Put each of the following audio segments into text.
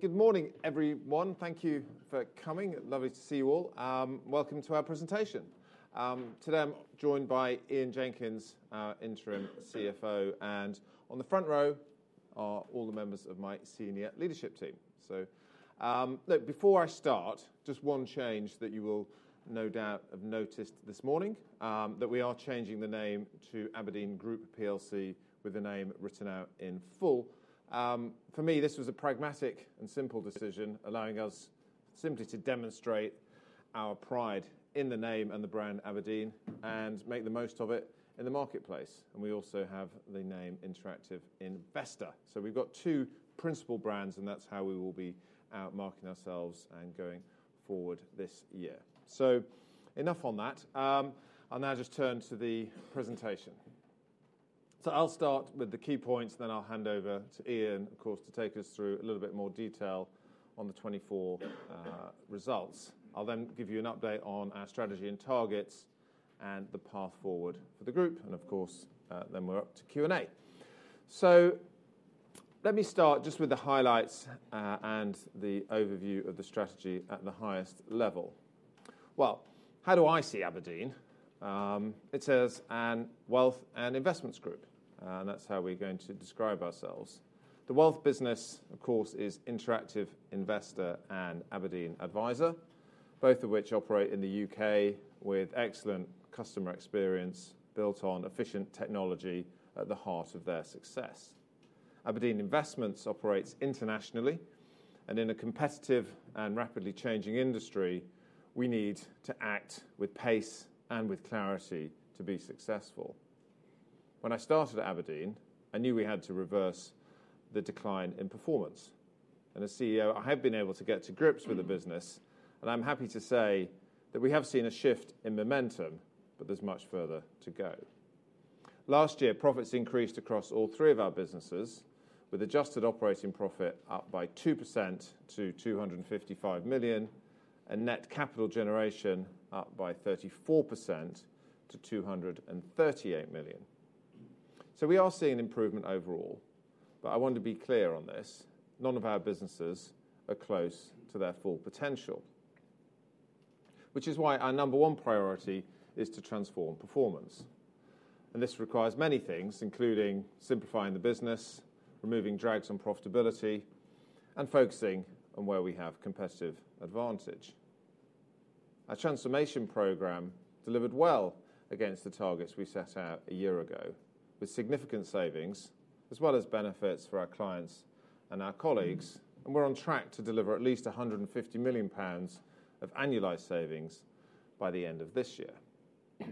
Good morning, everyone. Thank you for coming. Lovely to see you all. Welcome to our presentation. Today, I'm joined by Ian Jenkins, our interim CFO, and on the front row are all the members of my senior leadership team, so before I start, just one change that you will no doubt have noticed this morning: that we are changing the name to Aberdeen Group plc with the name written out in full. For me, this was a pragmatic and simple decision, allowing us simply to demonstrate our pride in the name and the brand Aberdeen and make the most of it in the marketplace, and we also have the name Interactive Investor, so we've got two principal brands, and that's how we will be marketing ourselves and going forward this year, so enough on that. I'll now just turn to the presentation. I'll start with the key points, then I'll hand over to Ian, of course, to take us through a little bit more detail on the 2024 results. I'll then give you an update on our strategy and targets and the path forward for the group. And of course, then we're up to Q&A. So let me start just with the highlights and the overview of the strategy at the highest level. Well, how do I see Aberdeen? It is a wealth and Investments group. And that's how we're going to describe ourselves. The wealth business, of course, is Interactive Investor and Aberdeen Adviser, both of which operate in the U.K. with excellent customer experience built on efficient technology at the heart of their success. Aberdeen Investments operates internationally. And in a competitive and rapidly changing industry, we need to act with pace and with clarity to be successful. When I started at Aberdeen, I knew we had to reverse the decline in performance. And as CEO, I have been able to get to grips with the business. And I'm happy to say that we have seen a shift in momentum, but there's much further to go. Last year, profits increased across all three of our businesses, with adjusted operating profit up by 2% to 255 million and net capital generation up by 34% to 238 million. So we are seeing improvement overall. But I want to be clear on this: none of our businesses are close to their full potential, which is why our number one priority is to transform performance. And this requires many things, including simplifying the business, removing drags on profitability, and focusing on where we have competitive advantage. Our transformation program delivered well against the targets we set out a year ago, with significant savings as well as benefits for our clients and our colleagues. And we're on track to deliver at least £150 million of annualized savings by the end of this year.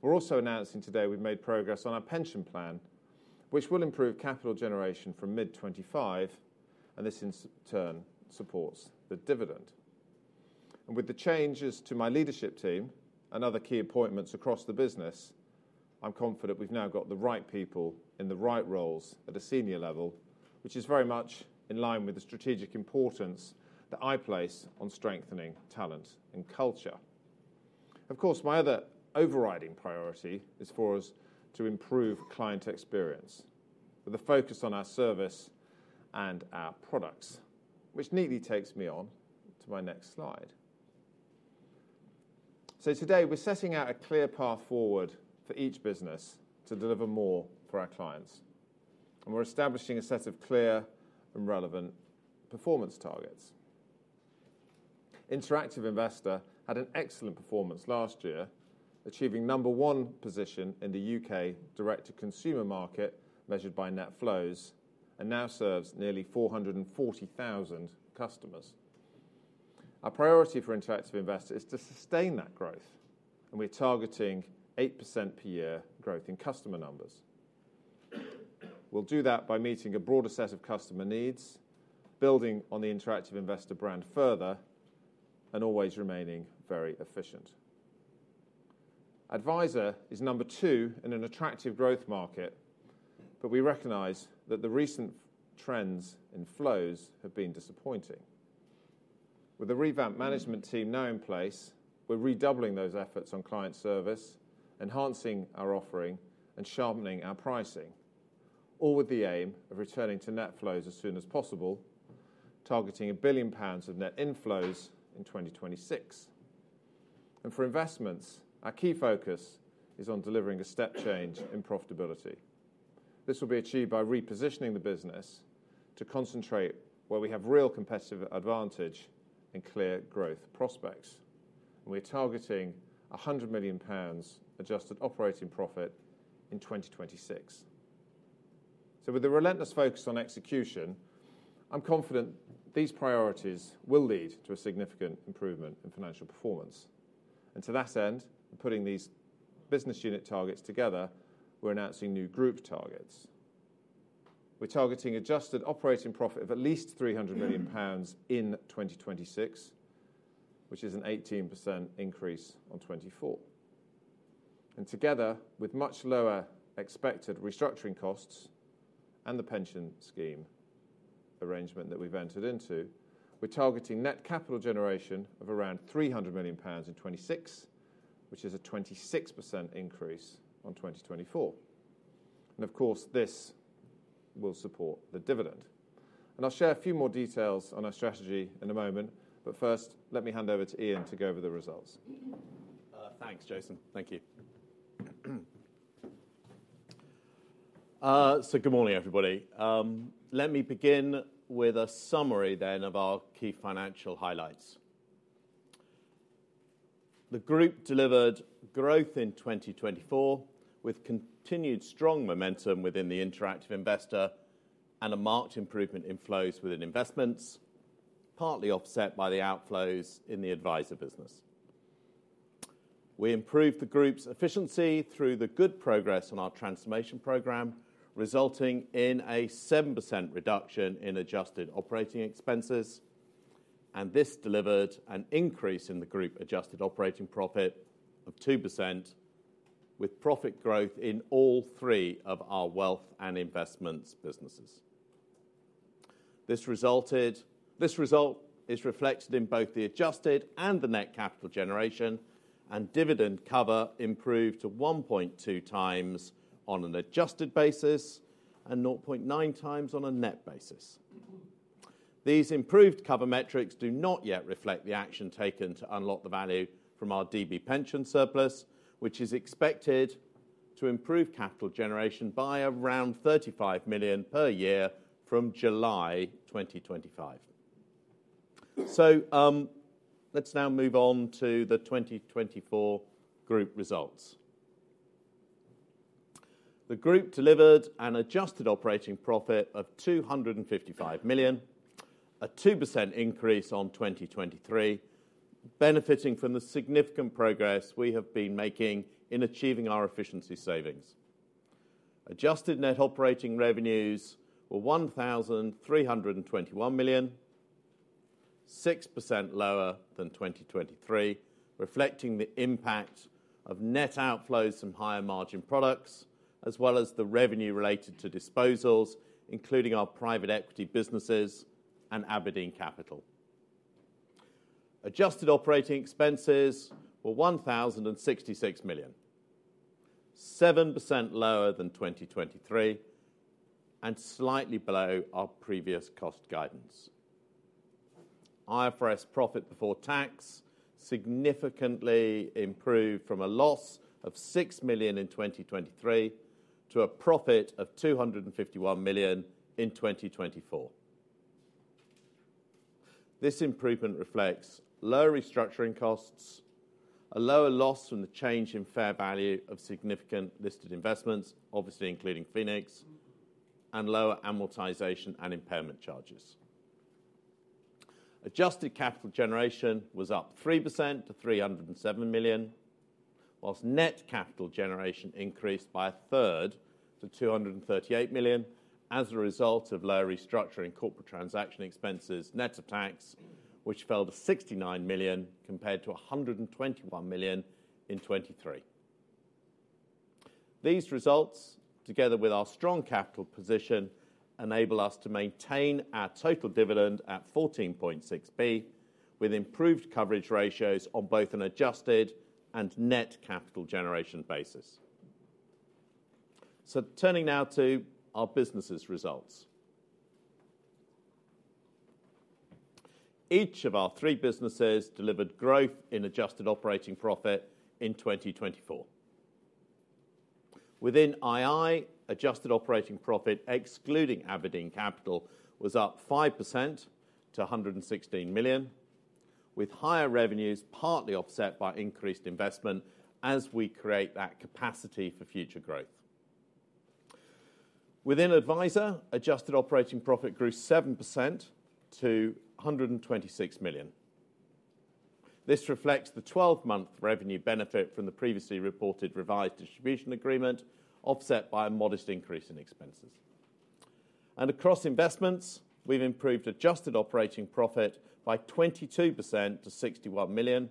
We're also announcing today we've made progress on our pension plan, which will improve capital generation from mid-2025. And this, in turn, supports the dividend. And with the changes to my leadership team and other key appointments across the business, I'm confident we've now got the right people in the right roles at a senior level, which is very much in line with the strategic importance that I place on strengthening talent and culture. Of course, my other overriding priority is for us to improve client experience with a focus on our service and our products, which neatly takes me on to my next slide. So today, we're setting out a clear path forward for each business to deliver more for our clients. And we're establishing a set of clear and relevant performance targets. Interactive Investor had an excellent performance last year, achieving number one position in the U.K. direct-to-consumer market measured by net flows and now serves nearly 440,000 customers. Our priority for Interactive Investor is to sustain that growth. And we're targeting 8% per year growth in customer numbers. We'll do that by meeting a broader set of customer needs, building on the Interactive Investor brand further, and always remaining very efficient. Adviser is number two in an attractive growth market, but we recognize that the recent trends in flows have been disappointing. With a revamped management team now in place, we're redoubling those efforts on client service, enhancing our offering, and sharpening our pricing, all with the aim of returning to net flows as soon as possible, targeting 1 billion pounds of net inflows in 2026, and for Investments, our key focus is on delivering a step change in profitability. This will be achieved by repositioning the business to concentrate where we have real competitive advantage and clear growth prospects, and we're targeting 100 million pounds adjusted operating profit in 2026, so with a relentless focus on execution, I'm confident these priorities will lead to a significant improvement in financial performance, and to that end, putting these business unit targets together, we're announcing new group targets. We're targeting adjusted operating profit of at least 300 million pounds in 2026, which is an 18% increase on 2024, and together with much lower expected restructuring costs and the pension scheme arrangement that we've entered into, we're targeting net capital generation of around 300 million pounds in 2026, which is a 26% increase on 2024, and of course, this will support the dividend, and I'll share a few more details on our strategy in a moment, but first, let me hand over to Ian to go over the results. Thanks, Jason. Thank you. Good morning, everybody. Let me begin with a summary then of our key financial highlights. The group delivered growth in 2024 with continued strong momentum within the Interactive Investor and a marked improvement in flows within Investments, partly offset by the outflows in the Adviser business. We improved the group's efficiency through the good progress on our transformation program, resulting in a 7% reduction in adjusted operating expenses. This delivered an increase in the group adjusted operating profit of 2%, with profit growth in all three of our wealth and Investments businesses. This result is reflected in both the adjusted and the net capital generation, and dividend cover improved to 1.2 times on an adjusted basis and 0.9 times on a net basis. These improved cover metrics do not yet reflect the action taken to unlock the value from our DB pension surplus, which is expected to improve capital generation by around 35 million per year from July 2025. So let's now move on to the 2024 group results. The group delivered an adjusted operating profit of 255 million, a 2% increase on 2023, benefiting from the significant progress we have been making in achieving our efficiency savings. Adjusted net operating revenues were 1,321 million, 6% lower than 2023, reflecting the impact of net outflows from higher margin products, as well as the revenue related to disposals, including our private equity businesses and Aberdeen Capital. Adjusted operating expenses were 1,066 million, 7% lower than 2023, and slightly below our previous cost guidance. IFRS profit before tax significantly improved from a loss of 6 million in 2023 to a profit of 251 million in 2024. This improvement reflects lower restructuring costs, a lower loss from the change in fair value of significant listed Investments, obviously including Phoenix, and lower amortization and impairment charges. Adjusted capital generation was up 3% to 307 million, whilst net capital generation increased by a third to 238 million as a result of lower restructuring corporate transaction expenses net of tax, which fell to 69 million compared to 121 million in 2023. These results, together with our strong capital position, enable us to maintain our total dividend at 14.6p, with improved coverage ratios on both an adjusted and net capital generation basis. Turning now to our businesses' results. Each of our three businesses delivered growth in adjusted operating profit in 2024. Within ii, adjusted operating profit excluding Aberdeen Capital was up 5% to 116 million, with higher revenues partly offset by increased investment as we create that capacity for future growth. Within Adviser, adjusted operating profit grew 7% to 126 million. This reflects the 12-month revenue benefit from the previously reported revised distribution agreement, offset by a modest increase in expenses. And across Investments, we've improved adjusted operating profit by 22% to 61 million,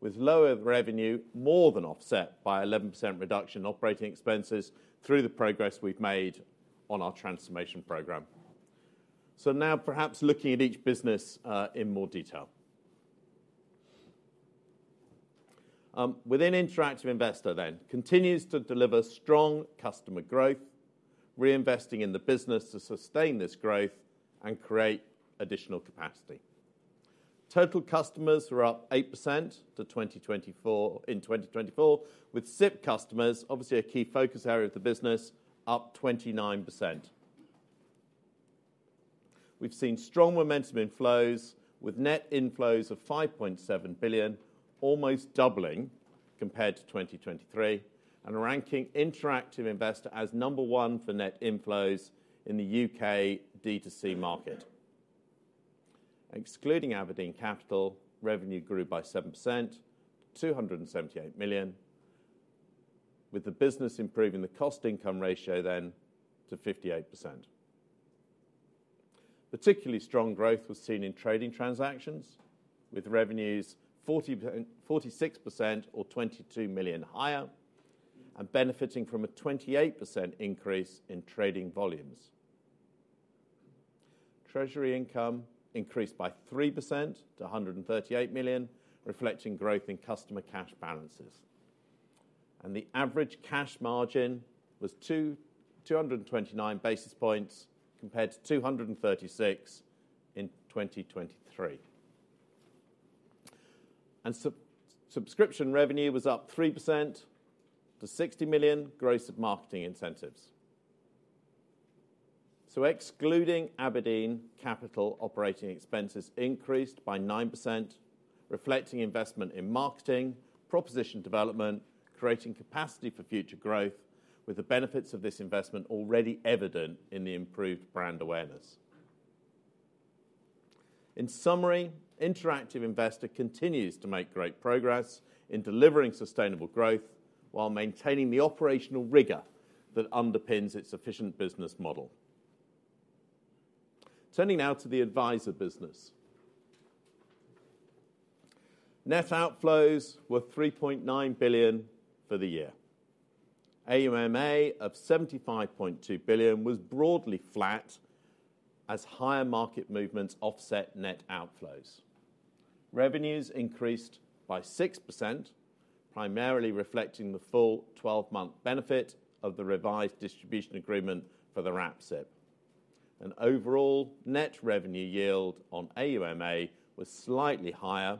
with lower revenue more than offset by an 11% reduction in operating expenses through the progress we've made on our transformation program. So now, perhaps looking at each business in more detail. Within Interactive Investor, then, continues to deliver strong customer growth, reinvesting in the business to sustain this growth and create additional capacity. Total customers were up 8% in 2024, with SIPP customers, obviously a key focus area of the business, up 29%. We've seen strong momentum in flows, with net inflows of 5.7 billion almost doubling compared to 2023 and ranking Interactive Investor as number one for net inflows in the U.K. D2C market. Excluding Aberdeen Capital, revenue grew by 7% to 278 million, with the business improving the cost-income ratio then to 58%. Particularly strong growth was seen in trading transactions, with revenues 46% or 22 million higher and benefiting from a 28% increase in trading volumes. Treasury income increased by 3% to 138 million, reflecting growth in customer cash balances. The average cash margin was 229 basis points compared to 236 in 2023. Subscription revenue was up 3% to 60 million gross of marketing incentives. Excluding Aberdeen Capital, operating expenses increased by 9%, reflecting investment in marketing, proposition development, creating capacity for future growth, with the benefits of this investment already evident in the improved brand awareness. In summary, Interactive Investor continues to make great progress in delivering sustainable growth while maintaining the operational rigor that underpins its efficient business model. Turning now to the Adviser business. Net outflows were £3.9 billion for the year. AUMA of £75.2 billion was broadly flat as higher market movements offset net outflows. Revenues increased by 6%, primarily reflecting the full 12-month benefit of the revised distribution agreement for the Wrap SIPP. And overall, net revenue yield on AUMA was slightly higher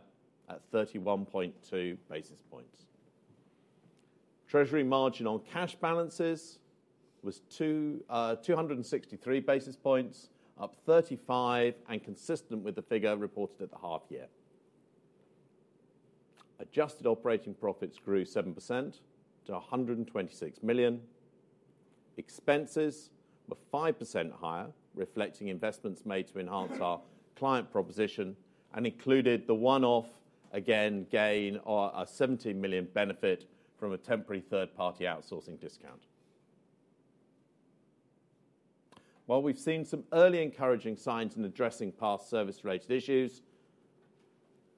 at 31.2 basis points. Treasury margin on cash balances was 263 basis points, up 35 and consistent with the figure reported at the half-year. adjusted operating profits grew 7% to £126 million. Expenses were 5% higher, reflecting Investments made to enhance our client proposition and included the one-off, again, gain or a £17 million benefit from a temporary third-party outsourcing discount. While we've seen some early encouraging signs in addressing past service-related issues,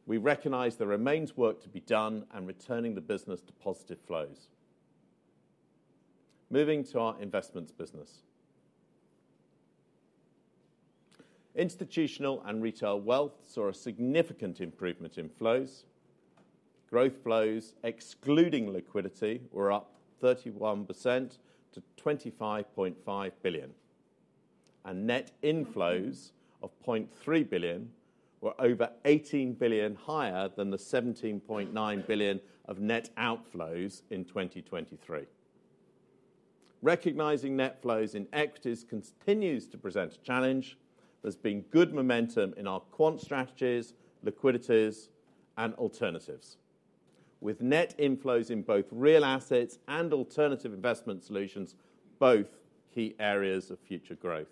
we recognize there remains work to be done and returning the business to positive flows. Moving to our Investments business. Institutional and Retail Wealth saw a significant improvement in flows. Gross flows, excluding liquidity, were up 31% to £25.5 billion. And net inflows of £0.3 billion were over £18 billion higher than the £17.9 billion of net outflows in 2023. Recognizing net flows in equities continues to present a challenge. There's been good momentum in our quant strategies, liquidities, and alternatives, with net inflows in both real assets and alternative investment solutions both key areas of future growth.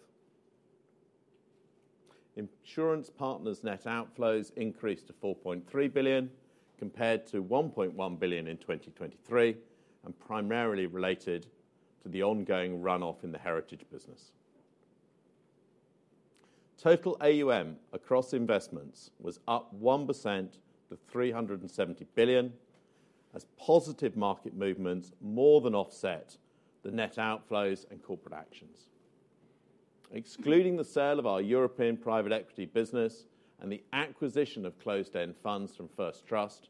Insurance Partners net outflows increased to £4.3 billion compared to £1.1 billion in 2023, and primarily related to the ongoing run-off in the heritage business. Total AUM across Investments was up 1% to 370 billion, as positive market movements more than offset the net outflows and corporate actions. Excluding the sale of our European private equity business and the acquisition of closed-end funds from First Trust,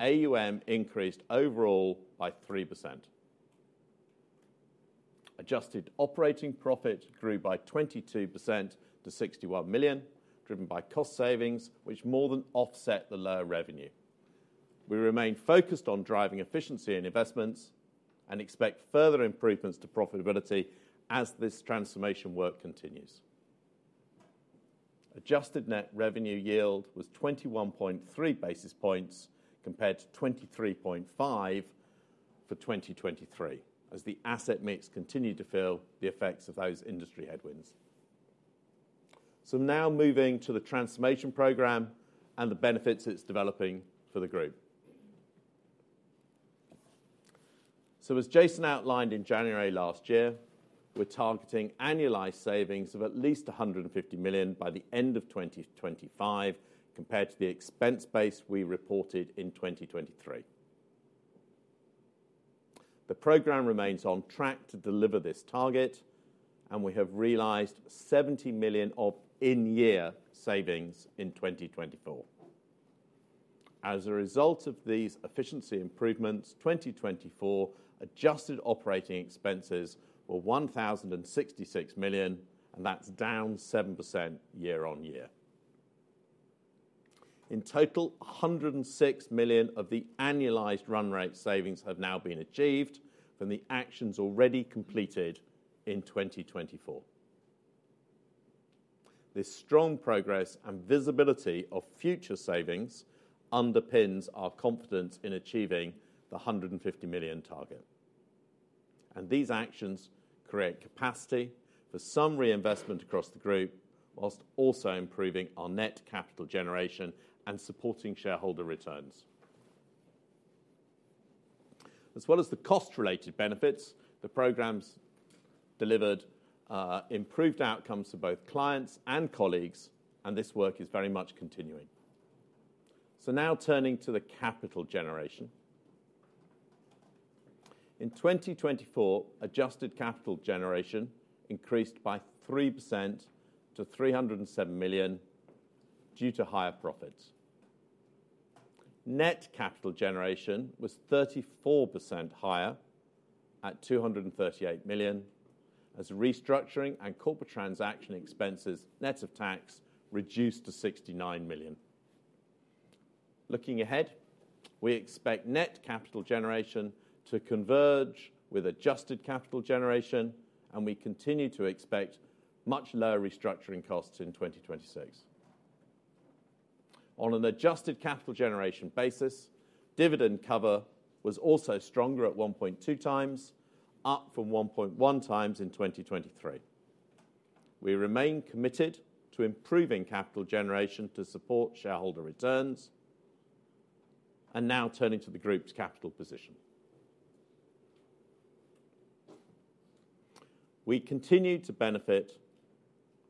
AUM increased overall by 3%. adjusted operating profit grew by 22% to 61 million, driven by cost savings, which more than offset the lower revenue. We remain focused on driving efficiency in Investments and expect further improvements to profitability as this transformation work continues. Adjusted net revenue yield was 21.3 basis points compared to 23.5 for 2023, as the asset mix continued to feel the effects of those industry headwinds. So now moving to the transformation program and the benefits it's developing for the group. As Jason outlined in January last year, we're targeting annualized savings of at least 150 million by the end of 2025 compared to the expense base we reported in 2023. The program remains on track to deliver this target, and we have realized 70 million of in-year savings in 2024. As a result of these efficiency improvements, 2024 adjusted operating expenses were 1,066 million, and that's down 7% year on year. In total, 106 million of the annualized run-rate savings have now been achieved from the actions already completed in 2024. This strong progress and visibility of future savings underpins our confidence in achieving the 150 million target. These actions create capacity for some reinvestment across the group, while also improving our net capital generation and supporting shareholder returns. As well as the cost-related benefits, the programs delivered improved outcomes for both clients and colleagues, and this work is very much continuing. So now turning to the capital generation. In 2024, adjusted capital generation increased by 3% to 307 million due to higher profits. Net capital generation was 34% higher at 238 million, as restructuring and corporate transaction expenses net of tax reduced to 69 million. Looking ahead, we expect net capital generation to converge with adjusted capital generation, and we continue to expect much lower restructuring costs in 2026. On an adjusted capital generation basis, dividend cover was also stronger at 1.2 times, up from 1.1 times in 2023. We remain committed to improving capital generation to support shareholder returns, and now turning to the group's capital position. We continue to benefit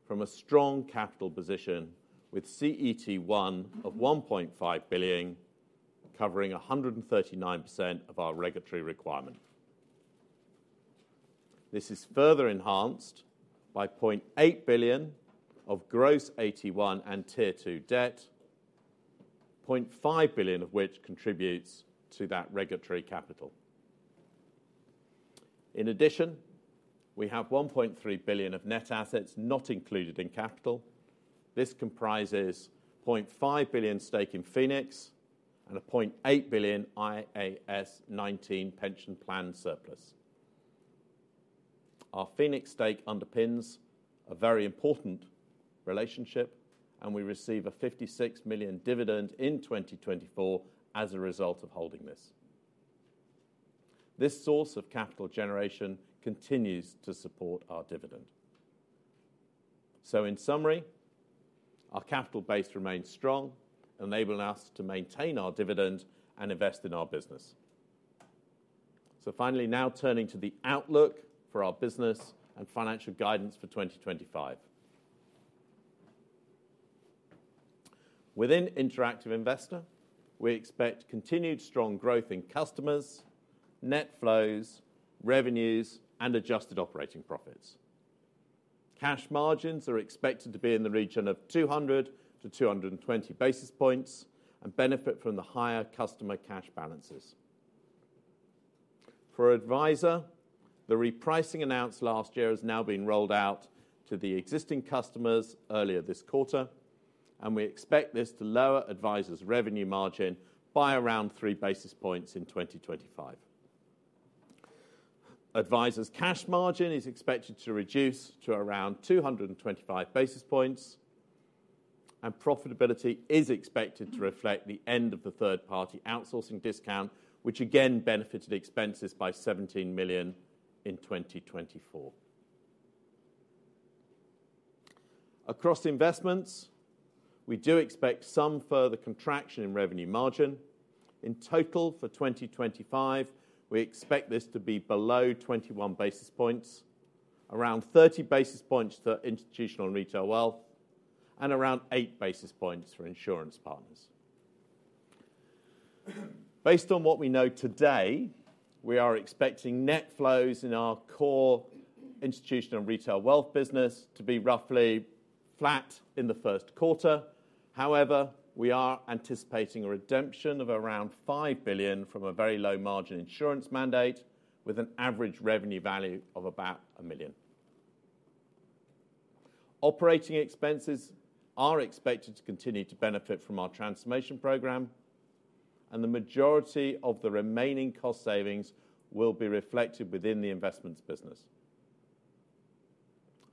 from a strong capital position with CET1 of 1.5 billion, covering 139% of our regulatory requirement. This is further enhanced by 0.8 billion of gross AT1 and Tier 2 debt, 0.5 billion of which contributes to that regulatory capital. In addition, we have 1.3 billion of net assets not included in capital. This comprises 0.5 billion stake in Phoenix and a 0.8 billion IAS 19 pension plan surplus. Our Phoenix stake underpins a very important relationship, and we receive a 56 million dividend in 2024 as a result of holding this. This source of capital generation continues to support our dividend. So in summary, our capital base remains strong, enabling us to maintain our dividend and invest in our business. So finally, now turning to the outlook for our business and financial guidance for 2025. Within Interactive Investor, we expect continued strong growth in customers, net flows, revenues, and adjusted operating profits. Cash margins are expected to be in the region of 200-220 basis points and benefit from the higher customer cash balances. For Adviser, the repricing announced last year has now been rolled out to the existing customers earlier this quarter, and we expect this to lower Adviser's revenue margin by around three basis points in 2025. Adviser's cash margin is expected to reduce to around 225 basis points, and profitability is expected to reflect the end of the third-party outsourcing discount, which again benefited expenses by 17 million in 2024. Across Investments, we do expect some further contraction in revenue margin. In total for 2025, we expect this to be below 21 basis points, around 30 basis points for Institutional and Retail Wealth, and around 8 basis points for Insurance Partners. Based on what we know today, we are expecting net flows in our core Institutional and Retail Wealth business to be roughly flat in the first quarter. However, we are anticipating a redemption of around five billion from a very low margin insurance mandate, with an average revenue value of about one million. Operating expenses are expected to continue to benefit from our transformation program, and the majority of the remaining cost savings will be reflected within the Investments business.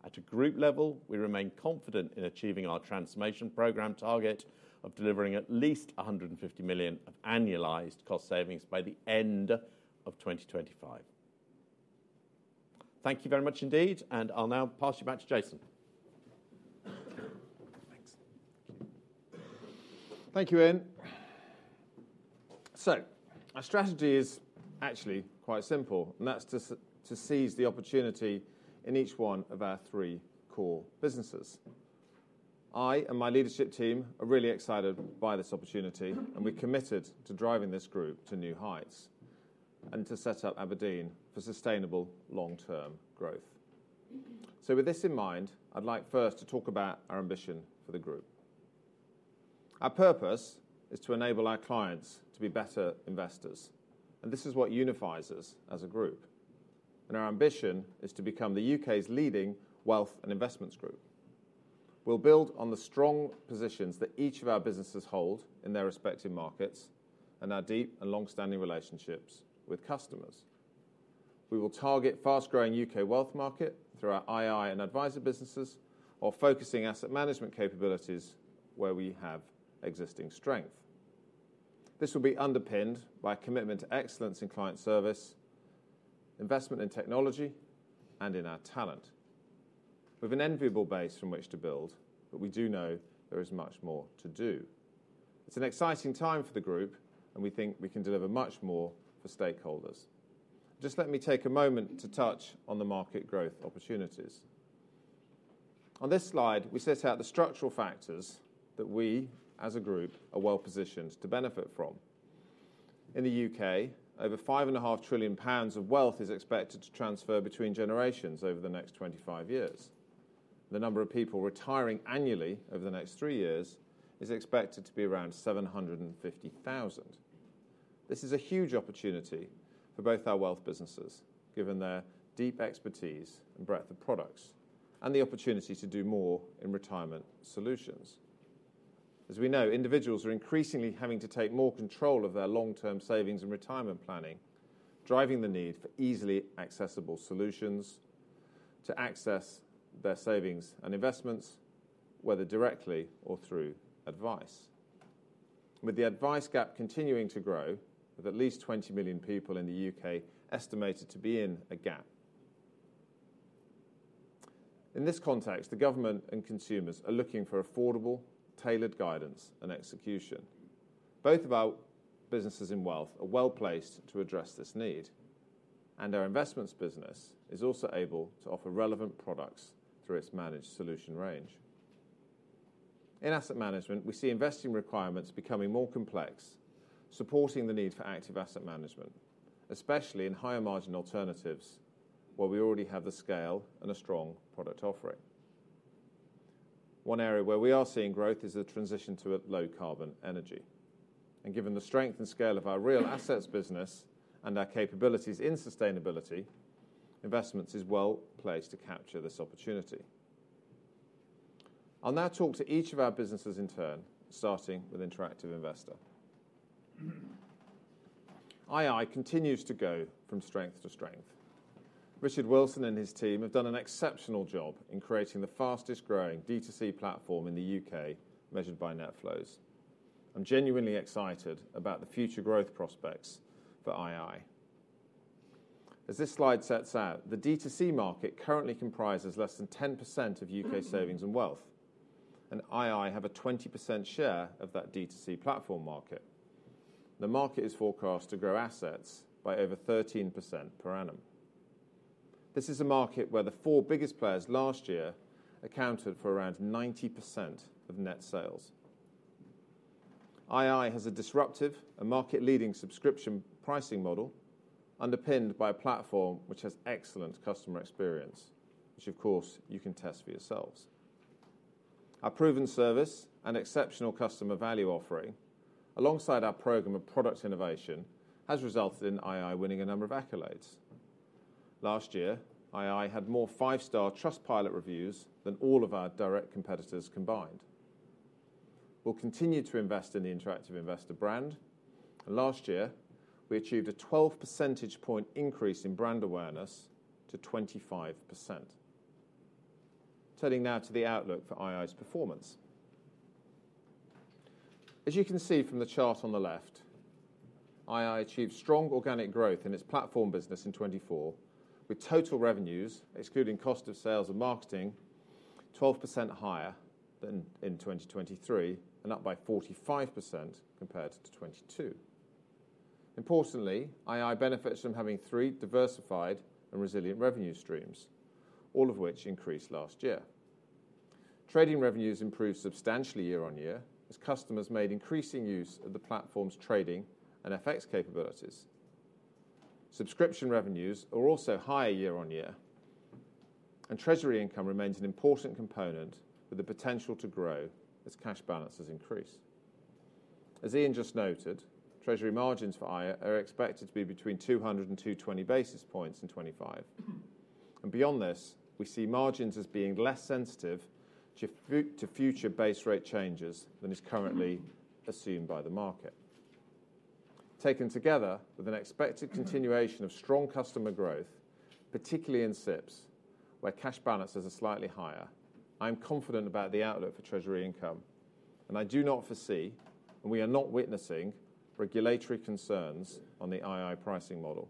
At a group level, we remain confident in achieving our transformation program target of delivering at least 150 million of annualized cost savings by the end of 2025. Thank you very much indeed, and I'll now pass you back to Jason. Thanks. Thank you, Ian. So our strategy is actually quite simple, and that's to seize the opportunity in each one of our three core businesses. I and my leadership team are really excited by this opportunity, and we're committed to driving this group to new heights and to set up Aberdeen for sustainable long-term growth, so with this in mind, I'd like first to talk about our ambition for the group. Our purpose is to enable our clients to be better investors, and this is what unifies us as a group, and our ambition is to become the U.K.'s leading wealth and Investments group. We'll build on the strong positions that each of our businesses hold in their respective markets and our deep and long-standing relationships with customers. We will target fast-growing U.K. wealth market through our ii and Adviser businesses or focusing asset management capabilities where we have existing strength. This will be underpinned by a commitment to excellence in client service, investment in technology, and in our talent. We have an enviable base from which to build, but we do know there is much more to do. It's an exciting time for the group, and we think we can deliver much more for stakeholders. Just let me take a moment to touch on the market growth opportunities. On this slide, we set out the structural factors that we, as a group, are well positioned to benefit from. In the U.K., over 5.5 trillion pounds of wealth is expected to transfer between generations over the next 25 years. The number of people retiring annually over the next three years is expected to be around 750,000. This is a huge opportunity for both our wealth businesses, given their deep expertise and breadth of products, and the opportunity to do more in retirement solutions. As we know, individuals are increasingly having to take more control of their long-term savings and retirement planning, driving the need for easily accessible solutions to access their savings and Investments, whether directly or through advice. With the advice gap continuing to grow, with at least 20 million people in the U.K. estimated to be in a gap. In this context, the government and consumers are looking for affordable, tailored guidance and execution. Both of our businesses in wealth are well placed to address this need, and our Investments business is also able to offer relevant products through its managed solution range. In asset management, we see investing requirements becoming more complex, supporting the need for active asset management, especially in higher margin alternatives where we already have the scale and a strong product offering. One area where we are seeing growth is the transition to low carbon energy. Given the strength and scale of our real assets business and our capabilities in sustainability, Investments is well placed to capture this opportunity. I'll now talk to each of our businesses in turn, starting with Interactive Investor. ii continues to go from strength to strength. Richard Wilson and his team have done an exceptional job in creating the fastest-growing D2C platform in the U.K., measured by net flows. I'm genuinely excited about the future growth prospects for ii. As this slide sets out, the D2C market currently comprises less than 10% of U.K. savings and wealth, and ii have a 20% share of that D2C platform market. The market is forecast to grow assets by over 13% per annum. This is a market where the four biggest players last year accounted for around 90% of net sales. ii has a disruptive and market-leading subscription pricing model, underpinned by a platform which has excellent customer experience, which, of course, you can test for yourselves. Our proven service and exceptional customer value offering, alongside our program of product innovation, has resulted in ii winning a number of accolades. Last year, ii had more five-star Trustpilot reviews than all of our direct competitors combined. We'll continue to invest in the Interactive Investor brand, and last year, we achieved a 12 percentage point increase in brand awareness to 25%. Turning now to the outlook for ii's performance. As you can see from the chart on the left, ii achieved strong organic growth in its platform business in 2024, with total revenues, excluding cost of sales and marketing, 12% higher than in 2023 and up by 45% compared to 2022. Importantly, ii benefits from having three diversified and resilient revenue streams, all of which increased last year. Trading revenues improved substantially year on year as customers made increasing use of the platform's trading and FX capabilities. Subscription revenues are also higher year on year, and treasury income remains an important component with the potential to grow as cash balances increase. As Ian just noted, treasury margins for ii are expected to be between 200 and 220 basis points in 2025. And beyond this, we see margins as being less sensitive to future base rate changes than is currently assumed by the market. Taken together with an expected continuation of strong customer growth, particularly in SIPPs, where cash balances are slightly higher, I am confident about the outlook for treasury income, and I do not foresee, and we are not witnessing, regulatory concerns on the ii pricing model.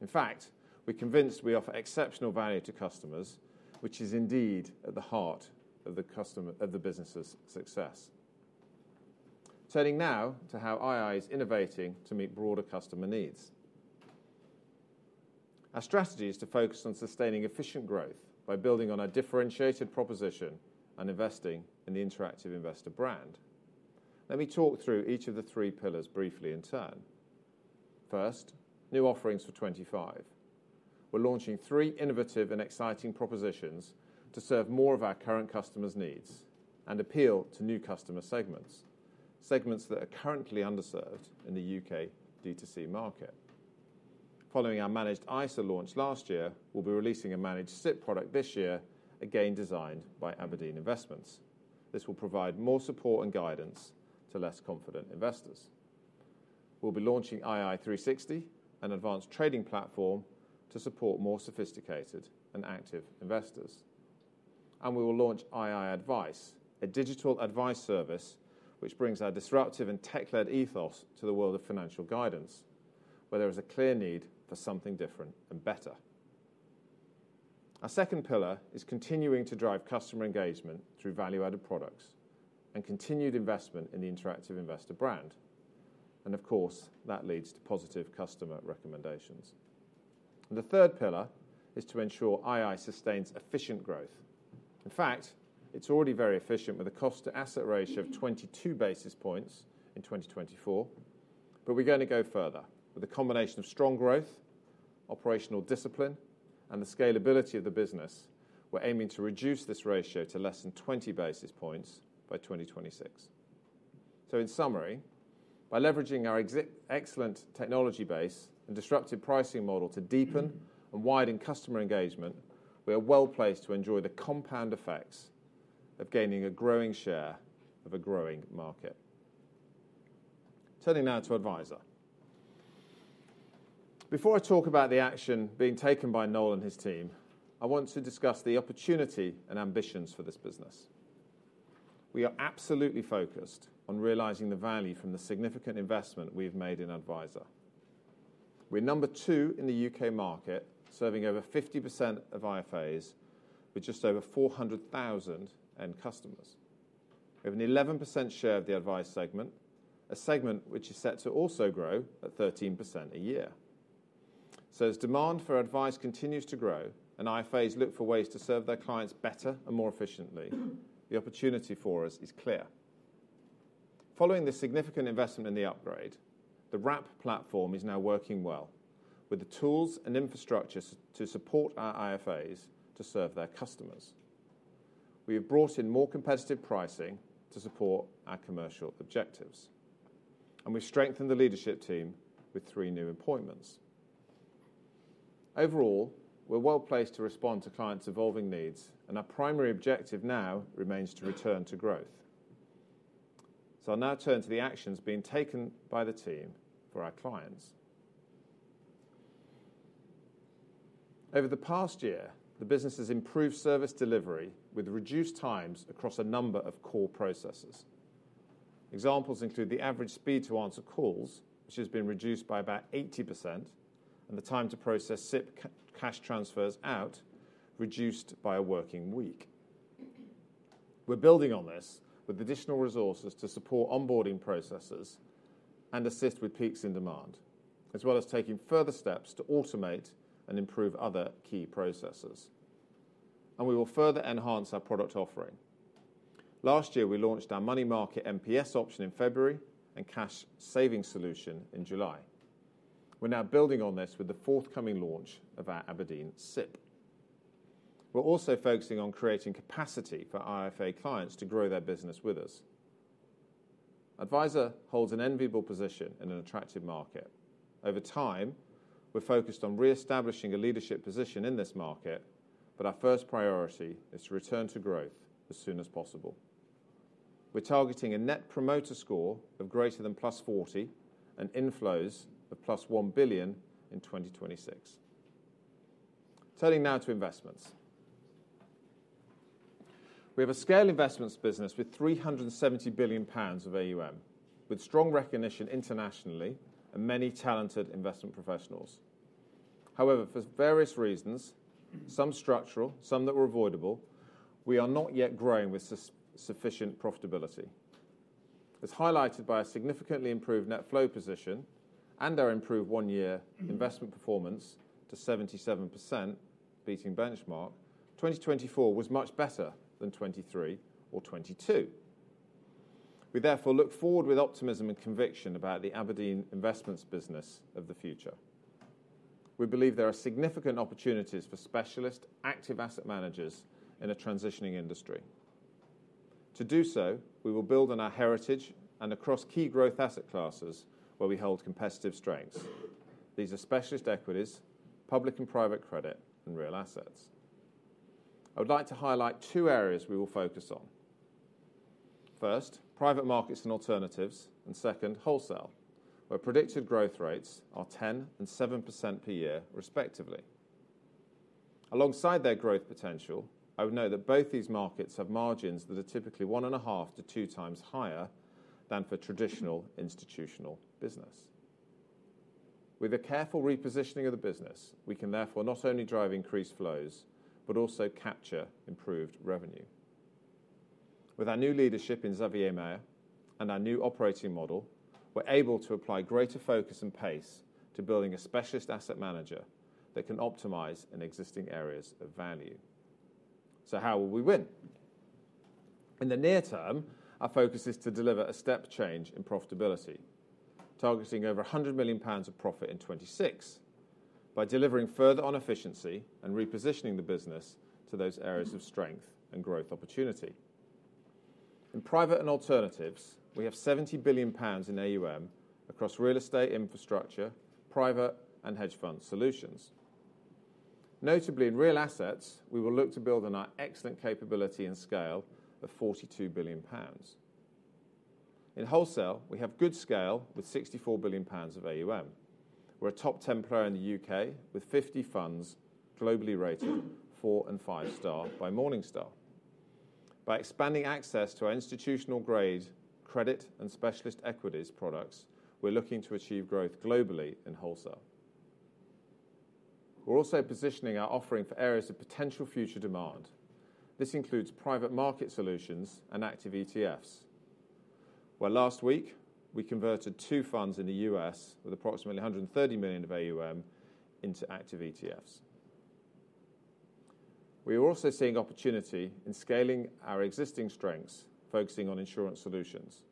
In fact, we're convinced we offer exceptional value to customers, which is indeed at the heart of the business's success. Turning now to how ii is innovating to meet broader customer needs. Our strategy is to focus on sustaining efficient growth by building on our differentiated proposition and investing in the Interactive Investor brand. Let me talk through each of the three pillars briefly in turn. First, new offerings for 2025. We're launching three innovative and exciting propositions to serve more of our current customers' needs and appeal to new customer segments, segments that are currently underserved in the U.K. D2C market. Following our Managed ISA launch last year, we'll be releasing a Managed SIPP product this year, again designed by Aberdeen Investments. This will provide more support and guidance to less confident investors. We'll be launching ii 360, an advanced trading platform to support more sophisticated and active investors. We will launch ii Advice, a digital advice service which brings our disruptive and tech-led ethos to the world of financial guidance, where there is a clear need for something different and better. Our second pillar is continuing to drive customer engagement through value-added products and continued investment in the Interactive Investor brand. Of course, that leads to positive customer recommendations. The third pillar is to ensure ii sustains efficient growth. In fact, it's already very efficient with a cost-to-asset ratio of 22 basis points in 2024, but we're going to go further with a combination of strong growth, operational discipline, and the scalability of the business. We're aiming to reduce this ratio to less than 20 basis points by 2026. So in summary, by leveraging our excellent technology base and disruptive pricing model to deepen and widen customer engagement, we are well placed to enjoy the compound effects of gaining a growing share of a growing market. Turning now to Adviser. Before I talk about the action being taken by Noel and his team, I want to discuss the opportunity and ambitions for this business. We are absolutely focused on realizing the value from the significant investment we've made in Adviser. We're number two in the U.K. market, serving over 50% of IFAs with just over 400,000 end customers. We have an 11% share of the advice segment, a segment which is set to also grow at 13% a year. So as demand for advice continues to grow and IFAs look for ways to serve their clients better and more efficiently, the opportunity for us is clear. Following this significant investment in the upgrade, the Wrap platform is now working well with the tools and infrastructure to support our IFAs to serve their customers. We have brought in more competitive pricing to support our commercial objectives, and we've strengthened the leadership team with three new appointments. Overall, we're well placed to respond to clients' evolving needs, and our primary objective now remains to return to growth. So I'll now turn to the actions being taken by the team for our clients. Over the past year, the business has improved service delivery with reduced times across a number of core processes. Examples include the average speed to answer calls, which has been reduced by about 80%, and the time to process SIPP cash transfers out, reduced by a working week. We're building on this with additional resources to support onboarding processes and assist with peaks in demand, as well as taking further steps to automate and improve other key processes. We will further enhance our product offering. Last year, we launched our Money Market MPS option in February and cash saving solution in July. We're now building on this with the forthcoming launch of our Aberdeen SIPP. We're also focusing on creating capacity for IFA clients to grow their business with us. Adviser holds an enviable position in an attractive market. Over time, we're focused on re-establishing a leadership position in this market, but our first priority is to return to growth as soon as possible. We're targeting a Net Promoter Score of greater than plus 40 and inflows of plus 1 billion in 2026. Turning now to Investments. We have a scale Investments business with 370 billion pounds of AUM, with strong recognition internationally and many talented investment professionals. However, for various reasons, some structural, some that were avoidable, we are not yet growing with sufficient profitability. As highlighted by our significantly improved net flow position and our improved one-year investment performance to 77% beating benchmark, 2024 was much better than 2023 or 2022. We therefore look forward with optimism and conviction about the Aberdeen Investments business of the future. We believe there are significant opportunities for specialist active asset managers in a transitioning industry. To do so, we will build on our heritage and across key growth asset classes where we hold competitive strengths. These are specialist equities, public and private credit, and real assets. I would like to highlight two areas we will focus on. First, private markets and alternatives, and second, wholesale, where predicted growth rates are 10% and 7% per year, respectively. Alongside their growth potential, I would note that both these markets have margins that are typically one and a half to two times higher than for traditional institutional business. With a careful repositioning of the business, we can therefore not only drive increased flows, but also capture improved revenue. With our new leadership in Xavier Meyer and our new operating model, we're able to apply greater focus and pace to building a specialist asset manager that can optimize in existing areas of value. So how will we win? In the near term, our focus is to deliver a step change in profitability, targeting over 100 million pounds of profit in 2026 by delivering further on efficiency and repositioning the business to those areas of strength and growth opportunity. In private and alternatives, we have £70 billion in AUM across real estate infrastructure, private, and hedge fund solutions. Notably, in real assets, we will look to build on our excellent capability and scale of £42 billion. In wholesale, we have good scale with £64 billion of AUM. We're a top 10 player in the U.K. with 50 funds globally rated four and five star by Morningstar. By expanding access to our institutional grade, credit, and specialist equities products, we're looking to achieve growth globally in wholesale. We're also positioning our offering for areas of potential future demand. This includes private market solutions and active ETFs, where last week, we converted two funds in the U.S. with approximately £130 million of AUM into active ETFs. We are also seeing opportunity in scaling our existing strengths, focusing on insurance solutions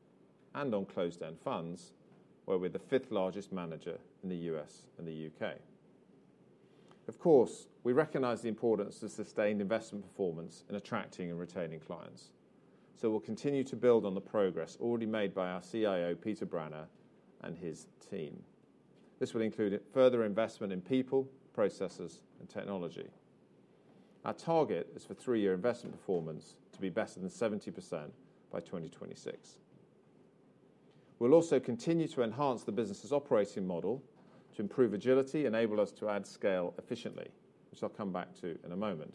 and on closed-end funds, where we're the fifth largest manager in the U.S. and the U.K. Of course, we recognize the importance of sustained investment performance in attracting and retaining clients. So we'll continue to build on the progress already made by our CIO, Peter Branner, and his team. This will include further investment in people, processes, and technology. Our target is for three-year investment performance to be better than 70% by 2026. We'll also continue to enhance the business's operating model to improve agility and enable us to add scale efficiently, which I'll come back to in a moment.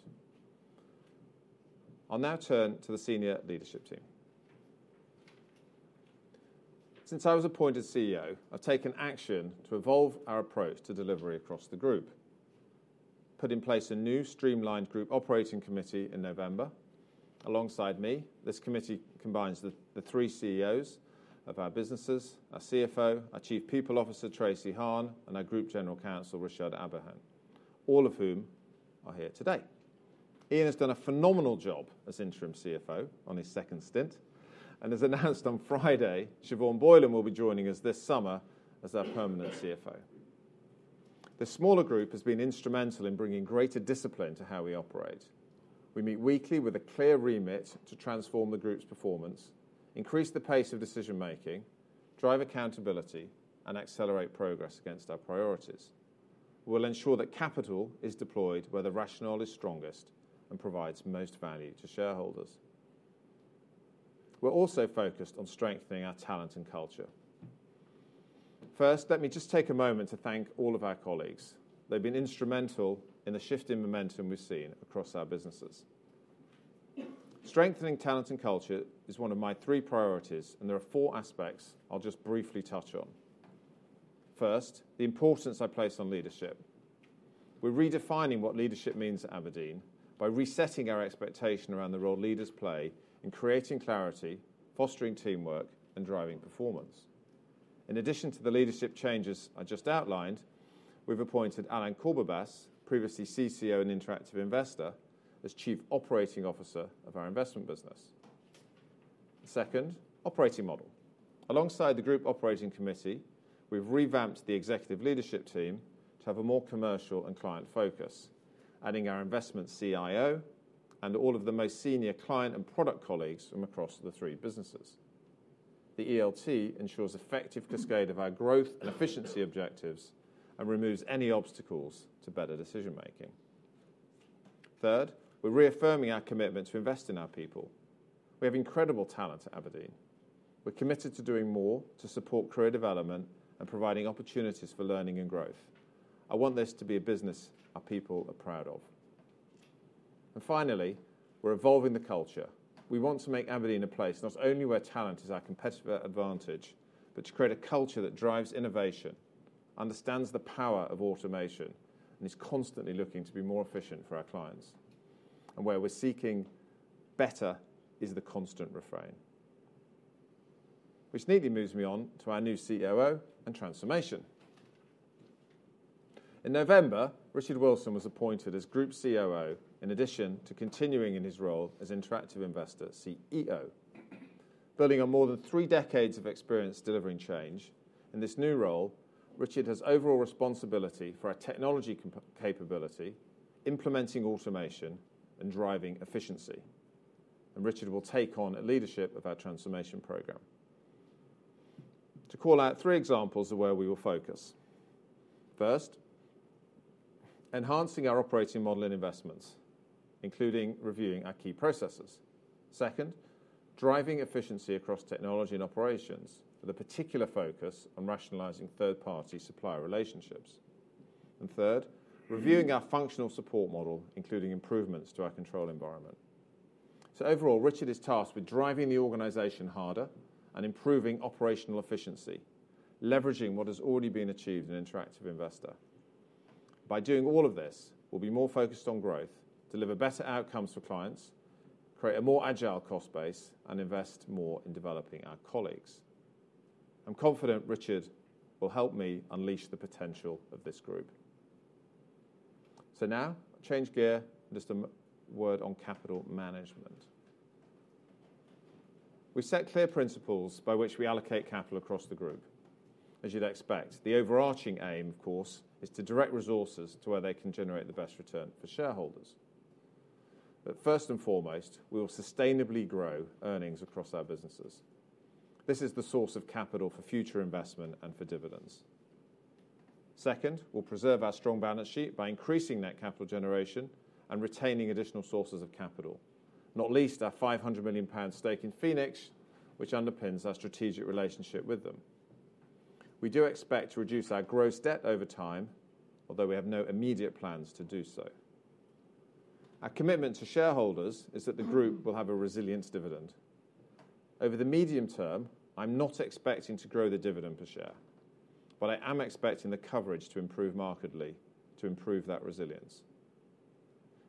I'll now turn to the senior leadership team. Since I was appointed CEO, I've taken action to evolve our approach to delivery across the group. Put in place a new streamlined group operating committee in November. Alongside me, this committee combines the three CEOs of our businesses, our CFO, our Chief People Officer, Tracey Hahn, and our Group General Counsel, Rushad Abadan, all of whom are here today. Ian has done a phenomenal job as interim CFO on his second stint and has announced on Friday Siobhan Boylan will be joining us this summer as our permanent CFO. The smaller group has been instrumental in bringing greater discipline to how we operate. We meet weekly with a clear remit to transform the group's performance, increase the pace of decision-making, drive accountability, and accelerate progress against our priorities. We'll ensure that capital is deployed where the rationale is strongest and provides most value to shareholders. We're also focused on strengthening our talent and culture. First, let me just take a moment to thank all of our colleagues. They've been instrumental in the shifting momentum we've seen across our businesses. Strengthening talent and culture is one of my three priorities, and there are four aspects I'll just briefly touch on. First, the importance I place on leadership. We're redefining what leadership means at Aberdeen by resetting our expectation around the role leaders play in creating clarity, fostering teamwork, and driving performance. In addition to the leadership changes I just outlined, we've appointed Alain Courbebaisse, previously CCO and Interactive Investor, as Chief Operating Officer of our investment business. Second, operating model. Alongside the Group Operating Committee, we've revamped the Executive Leadership Team to have a more commercial and client focus, adding our investment CIO and all of the most senior client and product colleagues from across the three businesses. The ELT ensures effective cascade of our growth and efficiency objectives and removes any obstacles to better decision-making. Third, we're reaffirming our commitment to invest in our people. We have incredible talent at Aberdeen. We're committed to doing more to support career development and providing opportunities for learning and growth. I want this to be a business our people are proud of. And finally, we're evolving the culture. We want to make Aberdeen a place not only where talent is our competitive advantage, but to create a culture that drives innovation, understands the power of automation, and is constantly looking to be more efficient for our clients. And where we're seeking better is the constant refrain. Which neatly moves me on to our new COO and transformation. In November, Richard Wilson was appointed as Group COO in addition to continuing in his role as Interactive Investor CEO. Building on more than three decades of experience delivering change in this new role, Richard has overall responsibility for our technology capability, implementing automation, and driving efficiency, and Richard will take on a leadership of our transformation program. To call out three examples of where we will focus. First, enhancing our operating model and Investments, including reviewing our key processes. Second, driving efficiency across technology and operations with a particular focus on rationalizing third-party supplier relationships. And third, reviewing our functional support model, including improvements to our control environment, so overall, Richard is tasked with driving the organization harder and improving operational efficiency, leveraging what has already been achieved in Interactive Investor. By doing all of this, we'll be more focused on growth, deliver better outcomes for clients, create a more agile cost base, and invest more in developing our colleagues. I'm confident Richard will help me unleash the potential of this group. So now, change gear and just a word on capital management. We set clear principles by which we allocate capital across the group. As you'd expect, the overarching aim, of course, is to direct resources to where they can generate the best return for shareholders. But first and foremost, we will sustainably grow earnings across our businesses. This is the source of capital for future investment and for dividends. Second, we'll preserve our strong balance sheet by increasing net capital generation and retaining additional sources of capital, not least our 500 million pound stake in Phoenix, which underpins our strategic relationship with them. We do expect to reduce our gross debt over time, although we have no immediate plans to do so. Our commitment to shareholders is that the group will have a resilient dividend. Over the medium term, I'm not expecting to grow the dividend per share, but I am expecting the coverage to improve markedly to improve that resilience.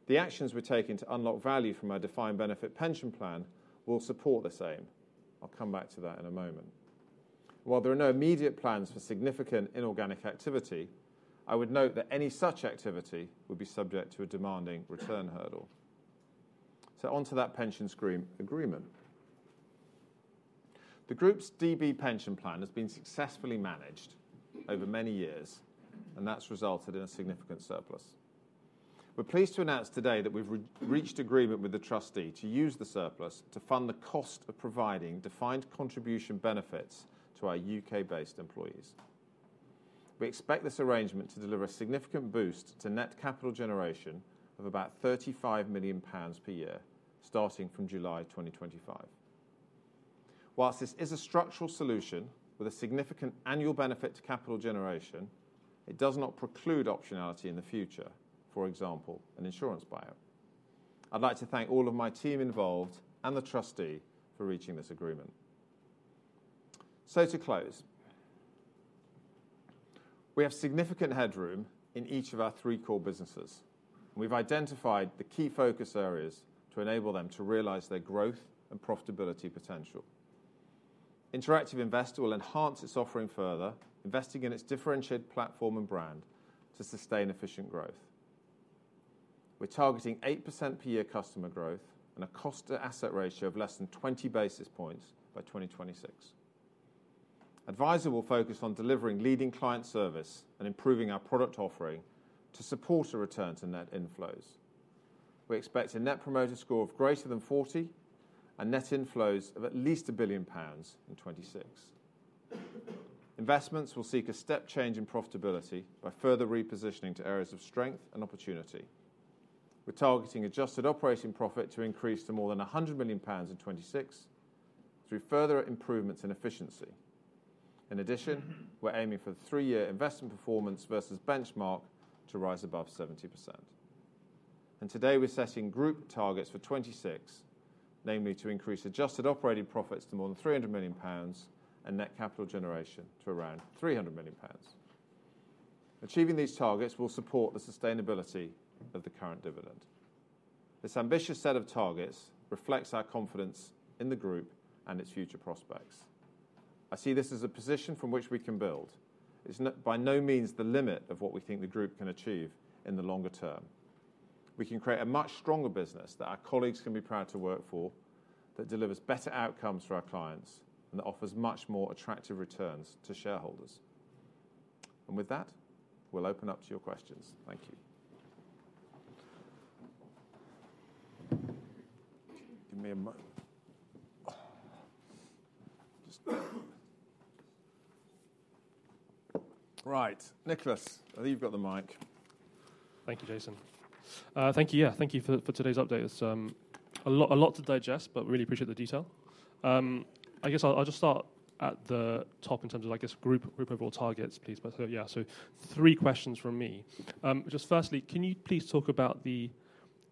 The actions we're taking to unlock value from our defined benefit pension plan will support this aim. I'll come back to that in a moment. While there are no immediate plans for significant inorganic activity, I would note that any such activity would be subject to a demanding return hurdle. So onto that pension agreement. The group's DB pension plan has been successfully managed over many years, and that's resulted in a significant surplus. We're pleased to announce today that we've reached agreement with the trustee to use the surplus to fund the cost of providing defined contribution benefits to our U.K.-based employees. We expect this arrangement to deliver a significant boost to net capital generation of about £35 million per year, starting from July 2025. Whilst this is a structural solution with a significant annual benefit to capital generation, it does not preclude optionality in the future, for example, an insurance buyout. I'd like to thank all of my team involved and the trustee for reaching this agreement. So to close, we have significant headroom in each of our three core businesses. We've identified the key focus areas to enable them to realize their growth and profitability potential. Interactive Investor will enhance its offering further, investing in its differentiated platform and brand to sustain efficient growth. We're targeting 8% per year customer growth and a cost-to-asset ratio of less than 20 basis points by 2026. Adviser will focus on delivering leading client service and improving our product offering to support a return to net inflows. We expect a net promoter score of greater than 40 and net inflows of at least £1 billion in 2026. Investments will seek a step change in profitability by further repositioning to areas of strength and opportunity. We're targeting adjusted operating profit to increase to more than £100 million in 2026 through further improvements in efficiency. In addition, we're aiming for the three-year investment performance versus benchmark to rise above 70%. Today, we're setting group targets for 2026, namely to increase adjusted operating profits to more than £300 million and net capital generation to around £300 million. Achieving these targets will support the sustainability of the current dividend. This ambitious set of targets reflects our confidence in the group and its future prospects. I see this as a position from which we can build. It's by no means the limit of what we think the group can achieve in the longer term. We can create a much stronger business that our colleagues can be proud to work for, that delivers better outcomes for our clients, and that offers much more attractive returns to shareholders. And with that, we'll open up to your questions. Thank you. Give me a moment. Right. Nicholas, I think you've got the mic. Thank you, Jason. Thank you. Yeah, thank you for today's update. It's a lot to digest, but really appreciate the detail. I guess I'll just start at the top in terms of, I guess, group overall targets, please. But yeah, so three questions from me. Just firstly, can you please talk about the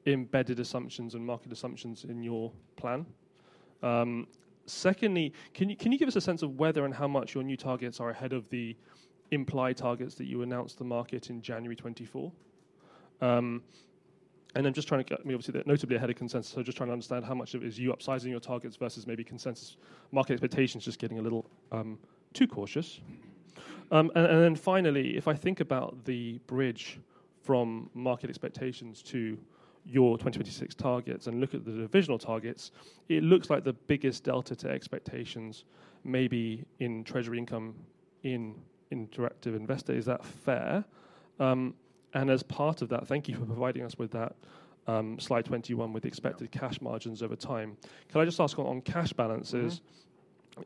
embedded assumptions and market assumptions in your plan? Secondly, can you give us a sense of whether and how much your new targets are ahead of the implied targets that you announced to the market in January 2024? And I'm just trying to get me obviously notably ahead of consensus. I'm just trying to understand how much of it is you upsizing your targets versus maybe consensus market expectations just getting a little too cautious. And then finally, if I think about the bridge from market expectations to your 2026 targets and look at the divisional targets, it looks like the biggest delta to expectations may be in treasury income in Interactive Investor. Is that fair? And as part of that, thank you for providing us with that slide 21 with the expected cash margins over time. Can I just ask on cash balances?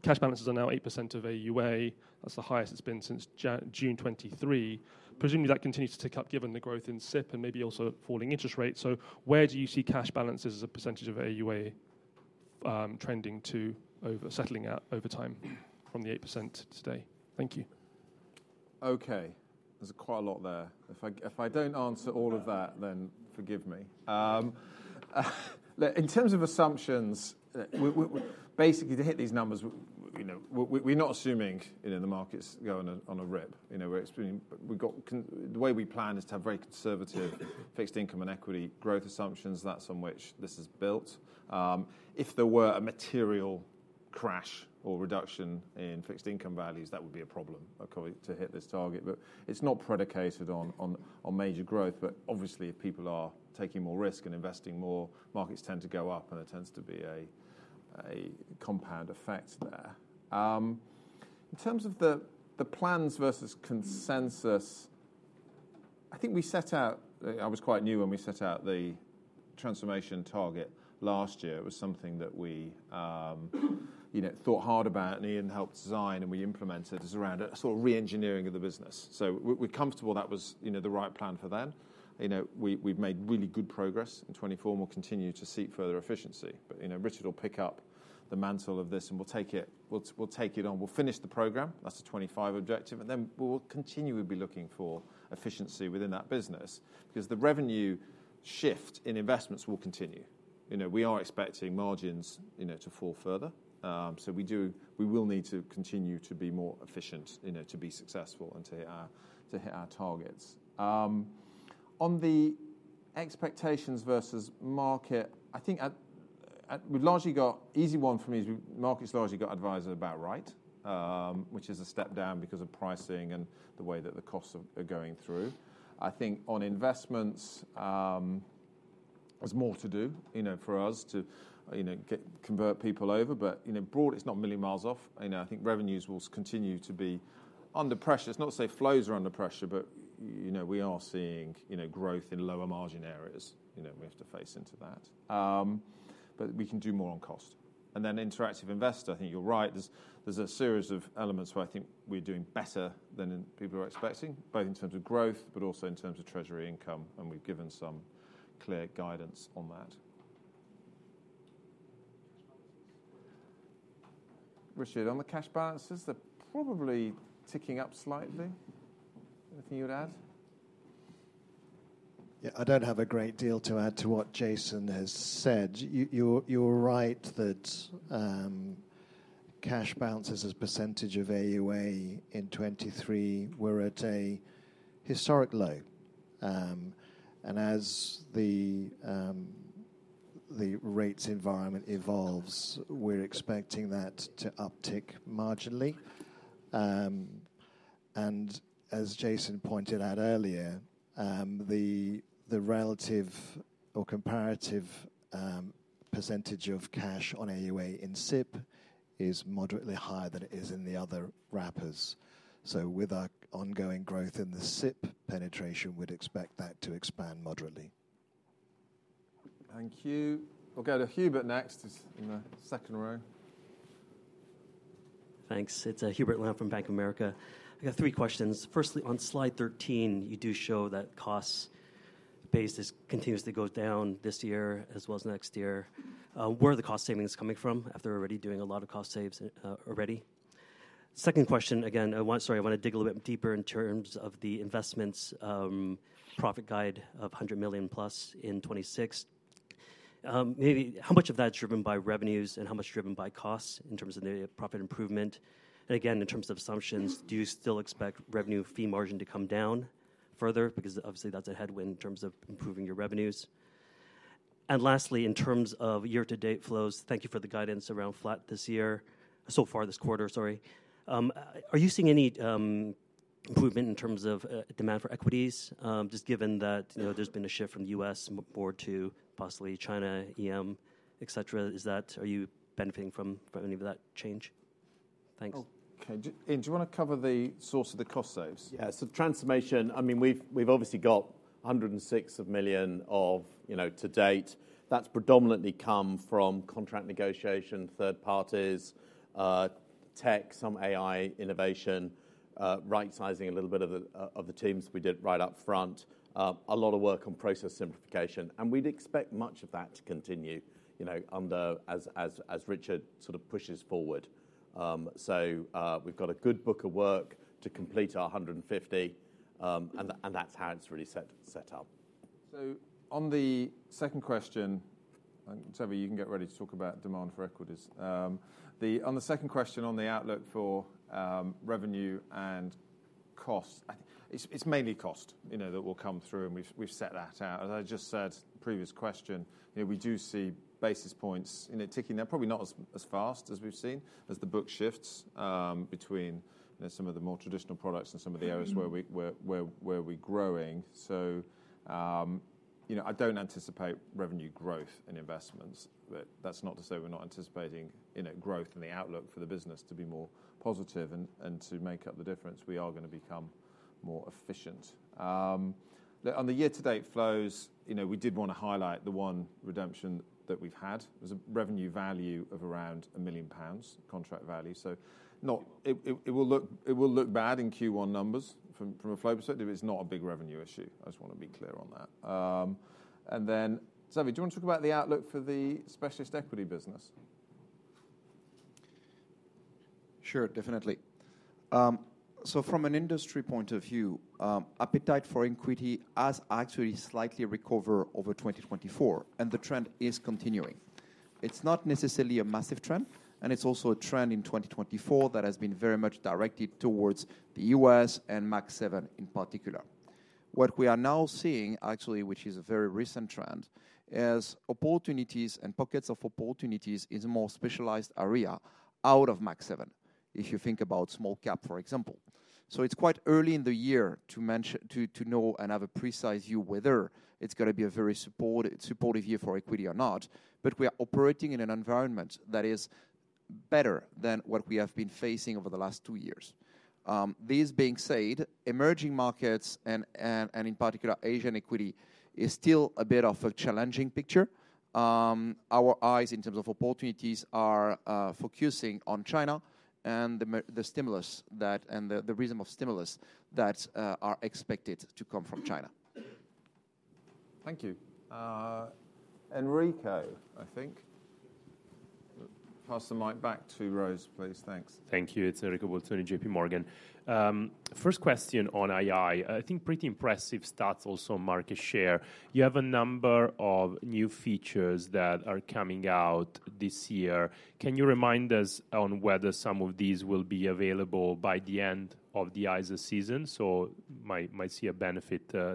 Cash balances are now 8% of AUA. That's the highest it's been since June 2023. Presumably, that continues to tick up given the growth in SIPP and maybe also falling interest rates. So where do you see cash balances as a percentage of AUA trending to settling out over time from the 8% today? Thank you. Okay. There's quite a lot there. If I don't answer all of that, then forgive me. In terms of assumptions, basically to hit these numbers, we're not assuming the market's going on a rip. We've got the way we plan is to have very conservative fixed income and equity growth assumptions. That's on which this is built. If there were a material crash or reduction in fixed income values, that would be a problem to hit this target. But it's not predicated on major growth. But obviously, if people are taking more risk and investing more, markets tend to go up, and there tends to be a compound effect there. In terms of the plans versus consensus, I think we set out I was quite new when we set out the transformation target last year. It was something that we thought hard about, and Ian helped design, and we implemented as a sort of re-engineering of the business. So we're comfortable that was the right plan for then. We've made really good progress in 2024 and will continue to seek further efficiency. But Richard will pick up the mantle of this, and we'll take it on. We'll finish the program. That's a 2025 objective. And then we'll continually be looking for efficiency within that business because the revenue shift in Investments will continue. We are expecting margins to fall further. So we will need to continue to be more efficient to be successful and to hit our targets. On the expectations versus market, I think we've largely got easy one for me is market's largely got Adviser about right, which is a step down because of pricing and the way that the costs are going through. I think on Investments, there's more to do for us to convert people over. But broad, it's not a million miles off. I think revenues will continue to be under pressure. It's not to say flows are under pressure, but we are seeing growth in lower margin areas. We have to face into that. But we can do more on cost. And then Interactive Investor, I think you're right. There's a series of elements where I think we're doing better than people are expecting, both in terms of growth, but also in terms of treasury income. And we've given some clear guidance on that. Richard, on the cash balances, they're probably ticking up slightly. Anything you would add? Yeah, I don't have a great deal to add to what Jason has said. You're right that cash balances as a percentage of AUA in 2023 were at a historic low. And as the rates environment evolves, we're expecting that to uptick marginally. And as Jason pointed out earlier, the relative or comparative percentage of cash on AUA in SIPP is moderately higher than it is in the other wrappers. So with our ongoing growth in the SIPP penetration, we'd expect that to expand moderately. Thank you. We'll go to Hubert next in the second row. Thanks. It's Hubert Lam from Bank of America. I've got three questions. Firstly, on slide 13, you do show that cost base continues to go down this year as well as next year. Where are the cost savings coming from after already doing a lot of cost saves already? Second question, again, sorry, I want to dig a little bit deeper in terms of the Investments profit guide of 100 million plus in 2026. How much of that is driven by revenues and how much driven by costs in terms of the profit improvement? And again, in terms of assumptions, do you still expect revenue fee margin to come down further? Because obviously, that's a headwind in terms of improving your revenues. And lastly, in terms of year-to-date flows, thank you for the guidance around flat this year. So far, this quarter, sorry. Are you seeing any improvement in terms of demand for equities? Just given that there's been a shift from the U.S. more to possibly China, EM, etc., are you benefiting from any of that change? Thanks. Okay. Ian, do you want to cover the source of the cost saves? Yeah. So transformation, I mean, we've obviously got 106 million to date. That's predominantly come from contract negotiation, third parties, tech, some AI innovation, right-sizing a little bit of the teams we did right up front, a lot of work on process simplification. And we'd expect much of that to continue under as Richard sort of pushes forward. So we've got a good book of work to complete our 150 million, and that's how it's really set up. So on the second question, Toby, you can get ready to talk about demand for equities. On the second question on the outlook for revenue and cost, it's mainly cost that will come through, and we've set that out. As I just said, previous question, we do see basis points ticking. They're probably not as fast as we've seen as the book shifts between some of the more traditional products and some of the areas where we're growing. So I don't anticipate revenue growth in Investments. That's not to say we're not anticipating growth in the outlook for the business to be more positive and to make up the difference. We are going to become more efficient. On the year-to-date flows, we did want to highlight the one redemption that we've had. There's a revenue value of around 1 million pounds contract value. So it will look bad in Q1 numbers from a flow perspective. It's not a big revenue issue. I just want to be clear on that. And then, Toby, do you want to talk about the outlook for the specialist equity business? Sure, definitely. So from an industry point of view, appetite for equity has actually slightly recovered over 2024, and the trend is continuing. It's not necessarily a massive trend, and it's also a trend in 2024 that has been very much directed towards the U.S. and Mag 7 in particular. What we are now seeing, actually, which is a very recent trend, is opportunities and pockets of opportunities in a more specialized area out of Mag 7, if you think about small cap, for example. So it's quite early in the year to know and have a precise view whether it's going to be a very supportive year for equity or not. But we are operating in an environment that is better than what we have been facing over the last two years. This being said, emerging markets, and in particular Asian equity, is still a bit of a challenging picture. Our eyes, in terms of opportunities, are focusing on China and the stimulus and the reasonable stimulus that are expected to come from China. Thank you. Enrico, I think. Pass the mic back to Rose, please. Thanks. Thank you. It's Enrico Bolzoni, J.P. Morgan. First question on AI. I think pretty impressive stats also on market share. You have a number of new features that are coming out this year. Can you remind us on whether some of these will be available by the end of the ISA season? So might see a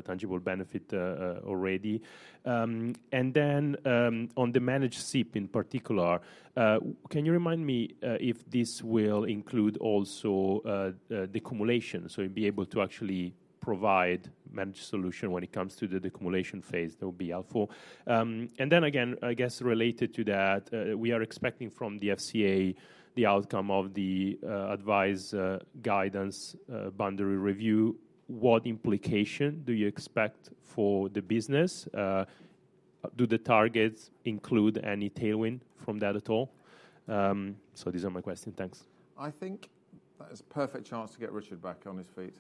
tangible benefit already. And then on the Managed SIPP in particular, can you remind me if this will include also decumulation? So you'll be able to actually provide managed solution when it comes to the decumulation phase. That would be helpful. And then again, I guess related to that, we are expecting from the FCA the outcome of the Advice Guidance Boundary Review. What implication do you expect for the business? Do the targets include any tailwind from that at all? So these are my questions. Thanks. I think that is a perfect chance to get Richard back on his feet.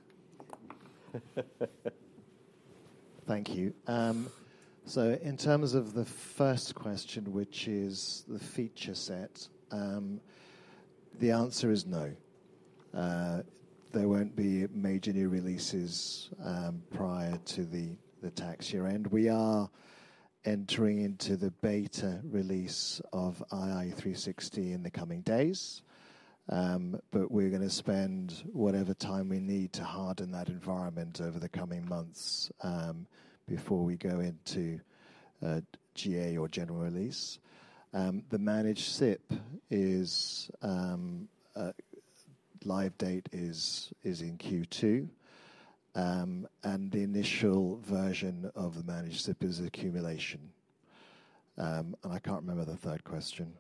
Thank you. So in terms of the first question, which is the feature set, the answer is no. There won't be major new releases prior to the tax year. And we are entering into the beta release of ii 360 in the coming days. We're going to spend whatever time we need to harden that environment over the coming months before we go into GA or general release. The Managed SIPP live date is in Q2. And the initial version of the Managed SIPP is accumulation. And I can't remember the third question.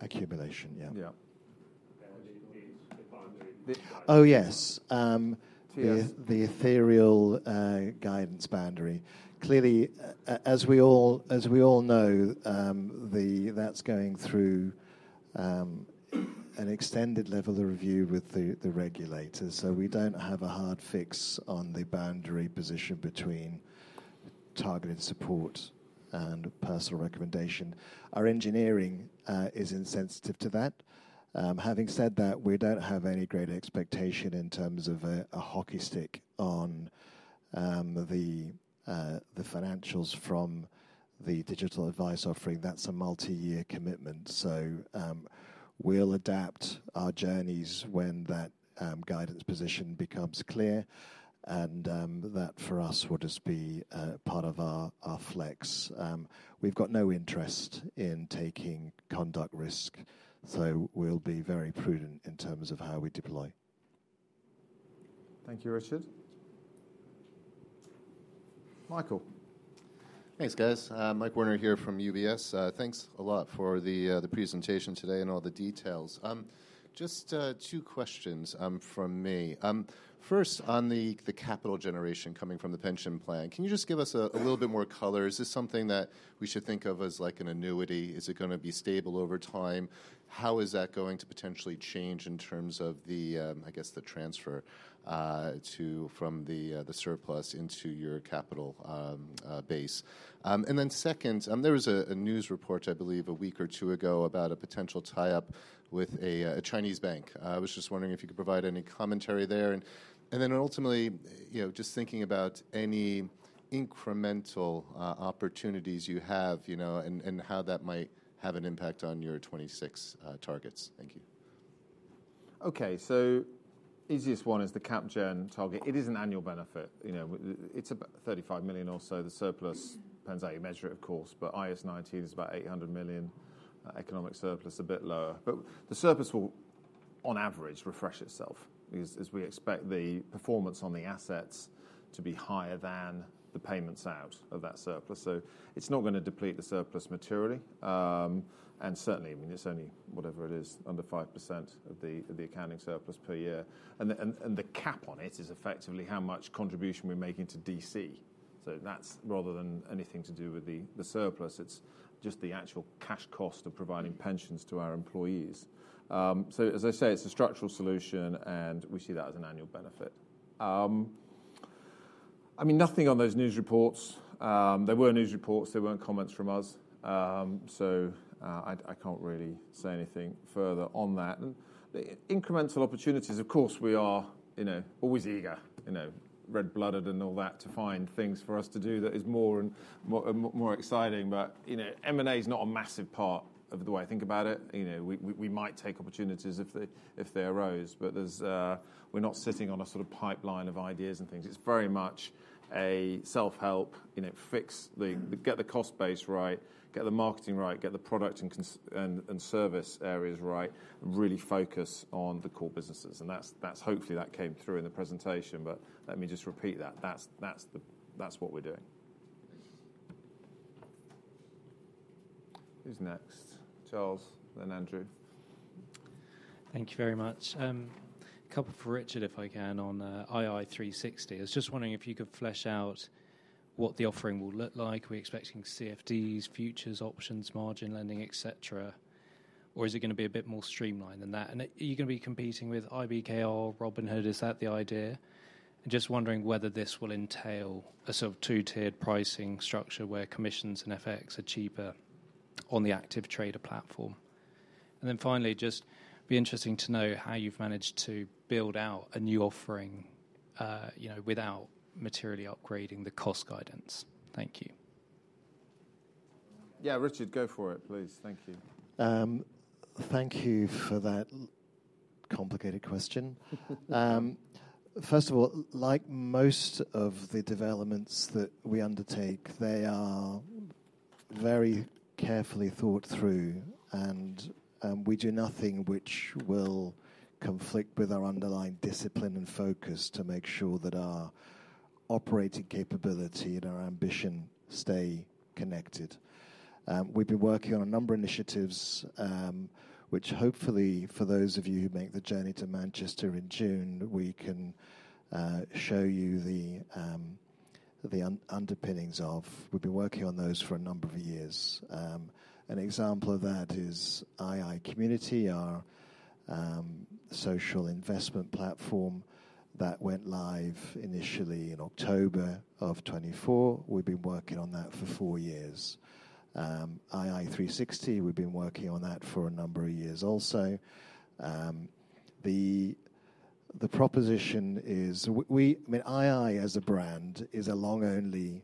Accumulation, yeah. Yeah. Oh, yes. The Advice Guidance Boundary. Clearly, as we all know, that's going through an extended level of review with the regulators. So we don't have a hard fix on the boundary position between targeted support and personal recommendation. Our engineering is insensitive to that. Having said that, we don't have any great expectation in terms of a hockey stick on the financials from the digital advice offering. That's a multi-year commitment. So we'll adapt our journeys when that guidance position becomes clear. And that for us will just be part of our flex. We've got no interest in taking conduct risk. So we'll be very prudent in terms of how we deploy. Thank you, Richard. Michael Thanks, guys. Michael Werner here from UBS. Thanks a lot for the presentation today and all the details. Just two questions from me. First, on the capital generation coming from the pension plan, can you just give us a little bit more color? Is this something that we should think of as like an annuity? Is it going to be stable over time? How is that going to potentially change in terms of, I guess, the transfer from the surplus into your capital base? And then second, there was a news report, I believe, a week or two ago about a potential tie-up with a Chinese bank. I was just wondering if you could provide any commentary there. And then ultimately, just thinking about any incremental opportunities you have and how that might have an impact on your 2026 targets. Thank you. Okay, so easiest one is the cap gen target. It is an annual benefit. It's about 35 million or so. The surplus depends how you measure it, of course. But IAS 19 is about 800 million. Economic surplus a bit lower. But the surplus will, on average, refresh itself as we expect the performance on the assets to be higher than the payments out of that surplus. So it's not going to deplete the surplus materially. And certainly, I mean, it's only whatever it is, under 5% of the accounting surplus per year. And the cap on it is effectively how much contribution we're making to DC. So that's rather than anything to do with the surplus. It's just the actual cash cost of providing pensions to our employees. So as I say, it's a structural solution, and we see that as an annual benefit. I mean, nothing on those news reports. They were news reports. They weren't comments from us. So I can't really say anything further on that. Incremental opportunities, of course, we are always eager, red-blooded and all that, to find things for us to do that is more and more exciting. But M&A is not a massive part of the way I think about it. We might take opportunities if they arose. But we're not sitting on a sort of pipeline of ideas and things. It's very much a self-help, fix, get the cost base right, get the marketing right, get the product and service areas right, and really focus on the core businesses. And hopefully, that came through in the presentation. But let me just repeat that. That's what we're doing. Who's next? Charles, then Andrew. Thank you very much. A couple for Richard, if I can, on ii 360. I was just wondering if you could flesh out what the offering will look like. We're expecting CFDs, futures, options, margin lending, etc. Or is it going to be a bit more streamlined than that? And are you going to be competing with IBKR, Robinhood? Is that the idea? Just wondering whether this will entail a sort of two-tiered pricing structure where commissions and FX are cheaper on the active trader platform. And then finally, just be interesting to know how you've managed to build out a new offering without materially upgrading the cost guidance. Thank you. Yeah, Richard, go for it, please. Thank you. Thank you for that complicated question. First of all, like most of the developments that we undertake, they are very carefully thought through. And we do nothing which will conflict with our underlying discipline and focus to make sure that our operating capability and our ambition stay connected. We've been working on a number of initiatives, which hopefully, for those of you who make the journey to Manchester in June, we can show you the underpinnings of. We've been working on those for a number of years. An example of that is ii Community, our social investment platform that went live initially in October of 2024. We've been working on that for four years. ii 360, we've been working on that for a number of years also. The proposition is, ii as a brand is a long-only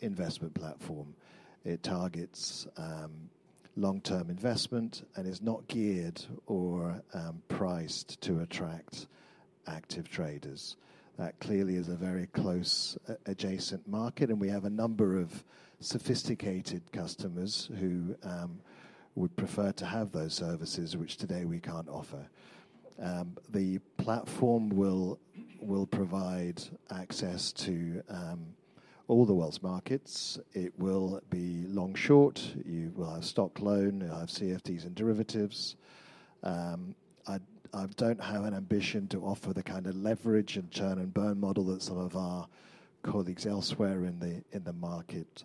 investment platform. It targets long-term investment and is not geared or priced to attract active traders. That clearly is a very close adjacent market. And we have a number of sophisticated customers who would prefer to have those services, which today we can't offer. The platform will provide access to all the world's markets. It will be long-short. You will have stock loan. You'll have CFDs and derivatives. I don't have an ambition to offer the kind of leverage and churn and burn model that some of our colleagues elsewhere in the market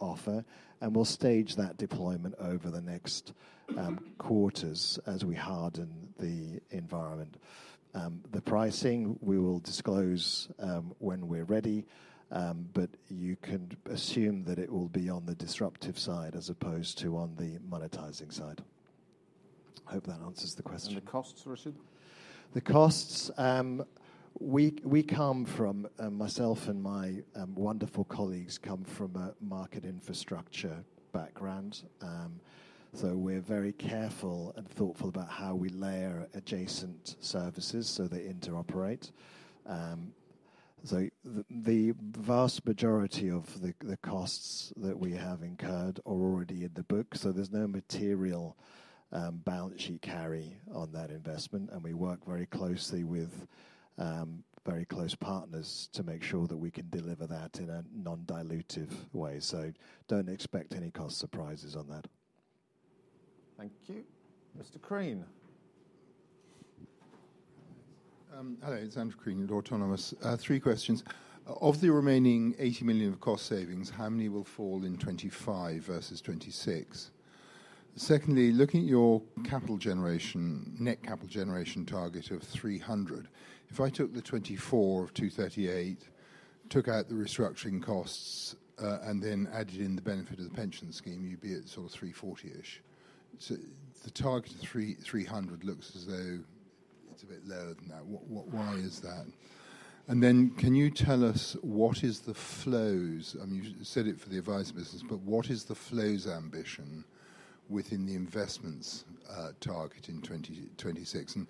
offer. And we'll stage that deployment over the next quarters as we harden the environment. The pricing, we will disclose when we're ready. But you can assume that it will be on the disruptive side as opposed to on the monetizing side. Hope that answers the question. And the costs, Richard? The costs, we come from, myself and my wonderful colleagues come from a market infrastructure background. So we're very careful and thoughtful about how we layer adjacent services so they interoperate. So the vast majority of the costs that we have incurred are already in the book. So there's no material balance sheet carry on that investment. And we work very closely with very close partners to make sure that we can deliver that in a non-dilutive way. So don't expect any cost surprises on that. Thank you. Mr. Crean. Hello, it's Andrew Crean at Autonomous. Three questions. Of the remaining 80 million of cost savings, how many will fall in 2025 versus 2026? Secondly, looking at your capital generation, net capital generation target of 300, if I took the 2024 of 238, took out the restructuring costs, and then added in the benefit of the pension scheme, you'd be at sort of 340-ish. So the target of 300 looks as though it's a bit lower than that. Why is that? And then can you tell us what is the flows? I mean, you said it for the Adviser business, but what is the flows ambition within the Investments target in 2026? And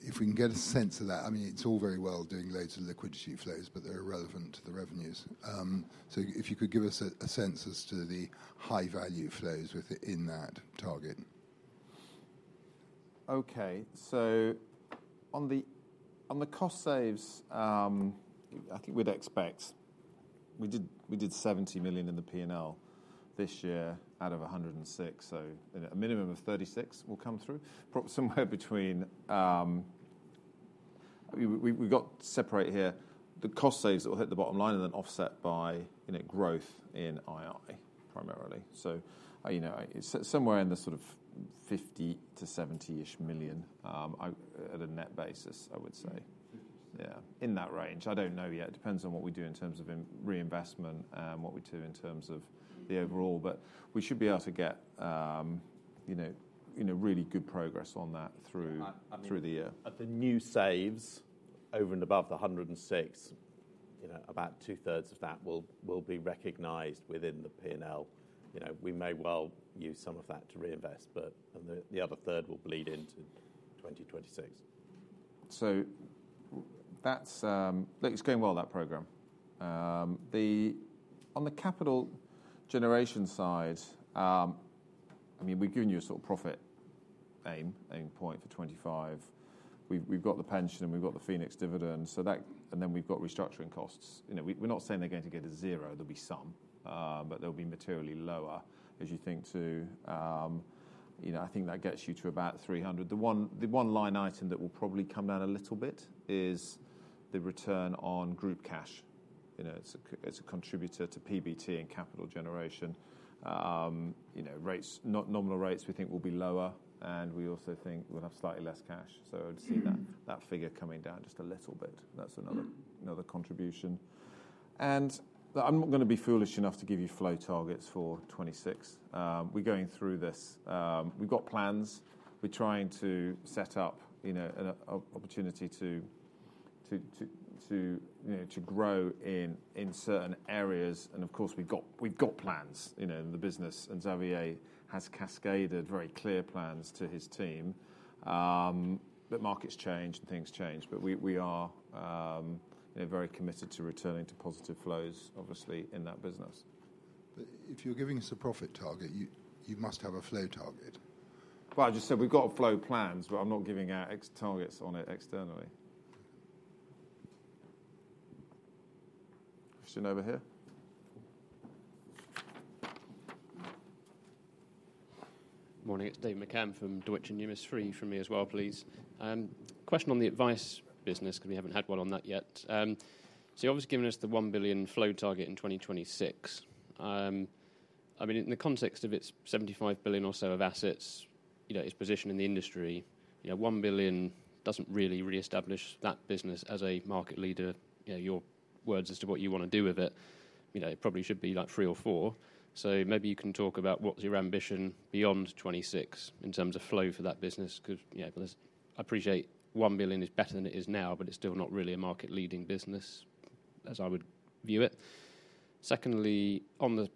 if we can get a sense of that, I mean, it's all very well doing loads of liquidity flows, but they're irrelevant to the revenues. So if you could give us a sense as to the high-value flows within that target. Okay. So on the cost saves, I think we'd expect we did 70 million in the P&L this year out of 106. So a minimum of 36 will come through. Somewhere between we've got to separate here. The cost saves that will hit the bottom line and then offset by growth in ii primarily. So it's somewhere in the sort of 50-70-ish million at a net basis, I would say. Yeah, in that range. I don't know yet. It depends on what we do in terms of reinvestment and what we do in terms of the overall. But we should be able to get really good progress on that through the year. At the new saves over and above the 106, about two-thirds of that will be recognized within the P&L. We may well use some of that to reinvest, but the other third will bleed into 2026. So it's going well, that program. On the capital generation side, I mean, we've given you a sort of profit aim point for 2025. We've got the pension and we've got the Phoenix dividend. And then we've got restructuring costs. We're not saying they're going to get a zero. There'll be some, but they'll be materially lower. As you think through, I think that gets you to about 300. The one line item that will probably come down a little bit is the return on group cash. It's a contributor to PBT and capital generation. Normal rates, we think, will be lower. And we also think we'll have slightly less cash. So I'd see that figure coming down just a little bit. That's another contribution. And I'm not going to be foolish enough to give you flow targets for 2026. We're going through this. We've got plans. We're trying to set up an opportunity to grow in certain areas. And of course, we've got plans in the business. And Xavier has cascaded very clear plans to his team. But markets change and things change. But we are very committed to returning to positive flows, obviously, in that business. But if you're giving us a profit target, you must have a flow target. Well, I just said we've got flow plans, but I'm not giving out targets on it externally. Question over here. Morning. It's David McCann from Deutsche Numis. Free. From me as well, please. Question on the advice business because we haven't had one on that yet. So you've obviously given us the 1 billion flow target in 2026. I mean, in the context of its 75 billion or so of assets, its position in the industry, 1 billion doesn't really reestablish that business as a market leader. Your words as to what you want to do with it, it probably should be like three or four. So maybe you can talk about what's your ambition beyond 2026 in terms of flow for that business. I appreciate one billion is better than it is now, but it's still not really a market-leading business, as I would view it. Secondly, on the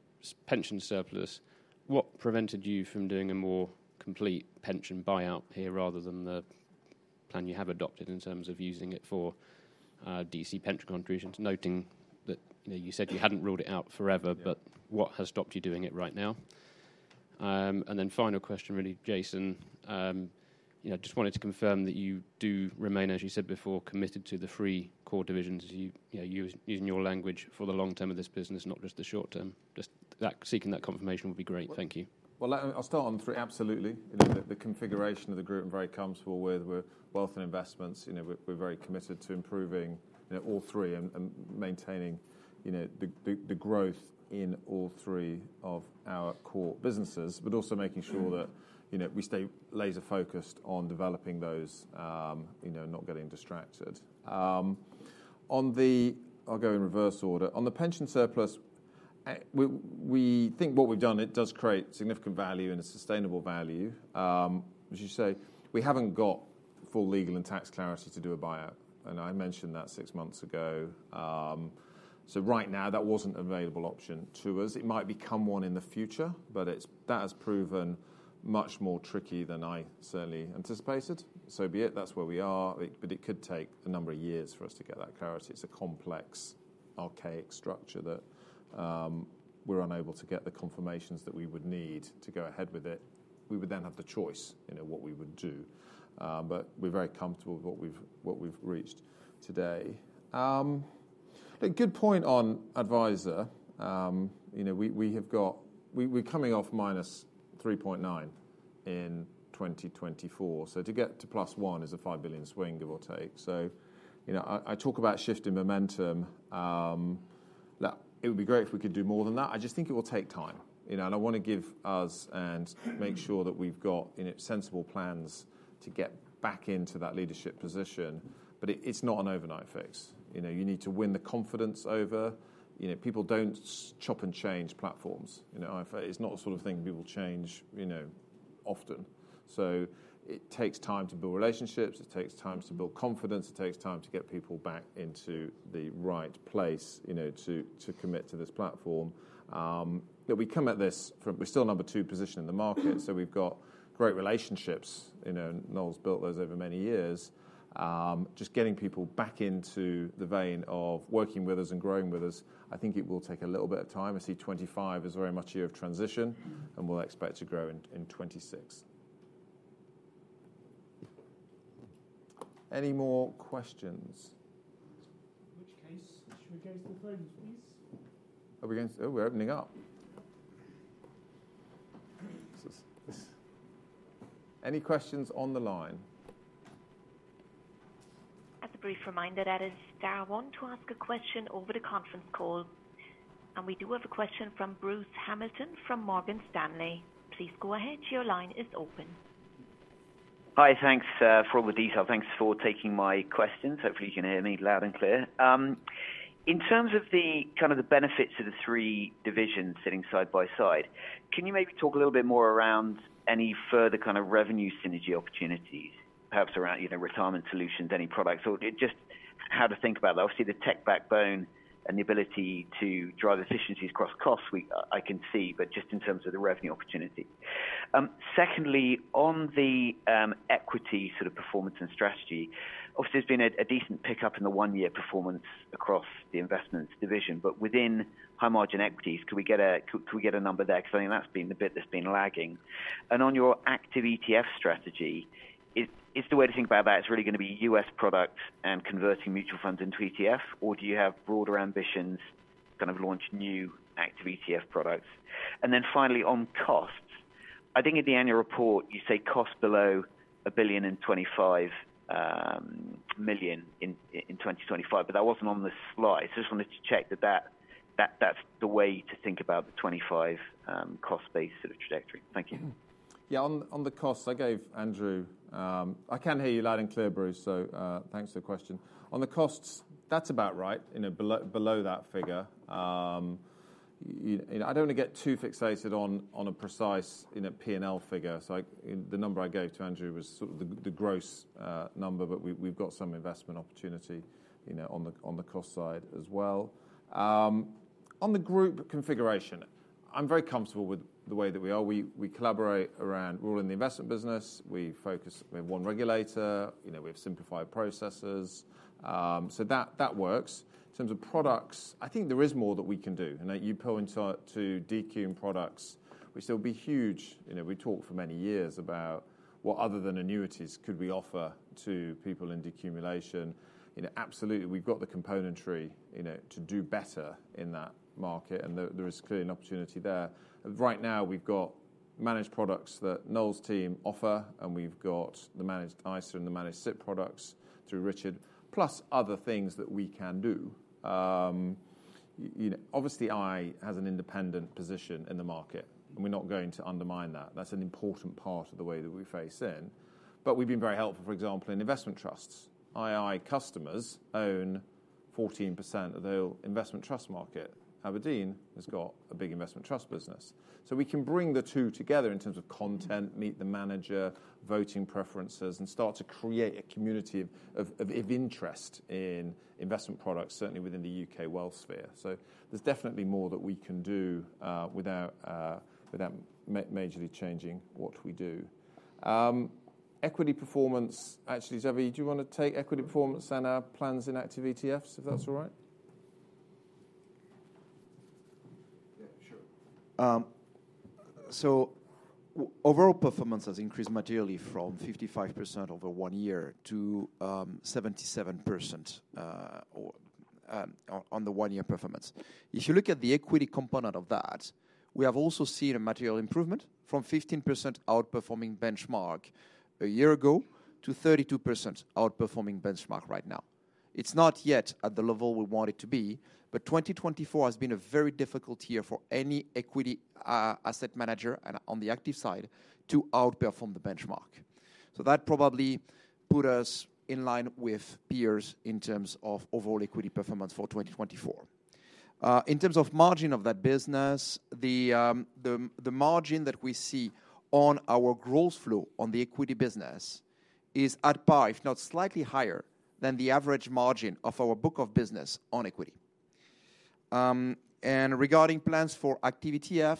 pension surplus, what prevented you from doing a more complete pension buyout here rather than the plan you have adopted in terms of using it for DC pension contributions? Noting that you said you hadn't ruled it out forever, but what has stopped you doing it right now? And then final question, really, Jason. Just wanted to confirm that you do remain, as you said before, committed to the three core divisions, using your language, for the long term of this business, not just the short term. Just seeking that confirmation would be great. Thank you. Well, I'll start on the three. Absolutely. The configuration of the group I'm very comfortable with. We're wealth and Investments. We're very committed to improving all three and maintaining the growth in all three of our core businesses, but also making sure that we stay laser-focused on developing those, not getting distracted. I'll go in reverse order. On the pension surplus, we think what we've done, it does create significant value and a sustainable value. As you say, we haven't got full legal and tax clarity to do a buyout. And I mentioned that six months ago. So right now, that wasn't an available option to us. It might become one in the future, but that has proven much more tricky than I certainly anticipated. So be it. That's where we are. But it could take a number of years for us to get that clarity. It's a complex, archaic structure that we're unable to get the confirmations that we would need to go ahead with it. We would then have the choice in what we would do. But we're very comfortable with what we've reached today. A good point on Adviser. We're coming off minus 3.9% in 2024. So to get to plus 1% is a 5 billion swing, give or take. So I talk about shifting momentum. It would be great if we could do more than that. I just think it will take time. And I want to give us and make sure that we've got sensible plans to get back into that leadership position. But it's not an overnight fix. You need to win the confidence over. People don't chop and change platforms. It's not the sort of thing people change often. So it takes time to build relationships. It takes time to build confidence. It takes time to get people back into the right place to commit to this platform. We come at this from we're still number two position in the market. So we've got great relationships. Noel built those over many years. Just getting people back into the vein of working with us and growing with us, I think it will take a little bit of time. I see 2025 as very much a year of transition, and we'll expect to grow in 2026. Any more questions? In which case we should go to the phones, please? Are we going to? Oh, we're opening up. Any questions on the line? As a brief reminder, press one to ask a question over the conference call. And we do have a question from Bruce Hamilton from Morgan Stanley. Please go ahead. Your line is open. Hi. Thanks for all the detail. Thanks for taking my questions. Hopefully, you can hear me loud and clear. In terms of the kind of the benefits of the three divisions sitting side by side, can you maybe talk a little bit more around any further kind of revenue synergy opportunities, perhaps around retirement solutions, any products, or just how to think about that? Obviously, the tech backbone and the ability to drive efficiencies across costs, I can see, but just in terms of the revenue opportunity. Secondly, on the equity sort of performance and strategy, obviously, there's been a decent pickup in the one-year performance across the Investments division. But within high-margin equities, could we get a number there? Because I think that's been the bit that's been lagging. And on your active ETF strategy, is the way to think about that? It's really going to be U.S. products and converting mutual funds into ETF, or do you have broader ambitions to kind of launch new active ETF products? And then finally, on costs, I think in the annual report, you say cost below £1 billion and £25 million in 2025, but that wasn't on the slide. So I just wanted to check that that's the way to think about the 2025 cost-based sort of trajectory. Thank you. Yeah, on the costs, I gave Andrew I can hear you loud and clear, Bruce, so thanks for the question. On the costs, that's about right, below that figure. I don't want to get too fixated on a precise P&L figure. So the number I gave to Andrew was sort of the gross number, but we've got some investment opportunity on the cost side as well. On the group configuration, I'm very comfortable with the way that we are. We collaborate around running the investment business. We focus with one regulator. We have simplified processes. So that works. In terms of products, I think there is more that we can do. You pull into decum products, which will be huge. We talked for many years about what, other than annuities, could we offer to people in decumulation. Absolutely, we've got the componentry to do better in that market, and there is clearly an opportunity there. Right now, we've got managed products that Noel's team offer, and we've got the Managed ISA and the Managed SIPP products through Richard. Plus other things that we can do. Obviously, ii has an independent position in the market, and we're not going to undermine that. That's an important part of the way that we face it. But we've been very helpful, for example, in investment trusts. ii customers own 14% of the investment trust market. Aberdeen has got a big investment trust business. So we can bring the two together in terms of content, meet the manager, voting preferences, and start to create a community of interest in investment products, certainly within the U.K. wealth sphere. So there's definitely more that we can do without majorly changing what we do. Equity performance, actually, Xavier, do you want to take equity performance and our plans in active ETFs, if that's all right? Yeah, sure. So overall performance has increased materially from 55% over one year to 77% on the one-year performance. If you look at the equity component of that, we have also seen a material improvement from 15% outperforming benchmark a year ago to 32% outperforming benchmark right now. It's not yet at the level we want it to be, but 2024 has been a very difficult year for any equity asset manager on the active side to outperform the benchmark. So that probably put us in line with peers in terms of overall equity performance for 2024. In terms of margin of that business, the margin that we see on our growth flow on the equity business is at par, if not slightly higher than the average margin of our book of business on equity, and regarding plans for active ETF,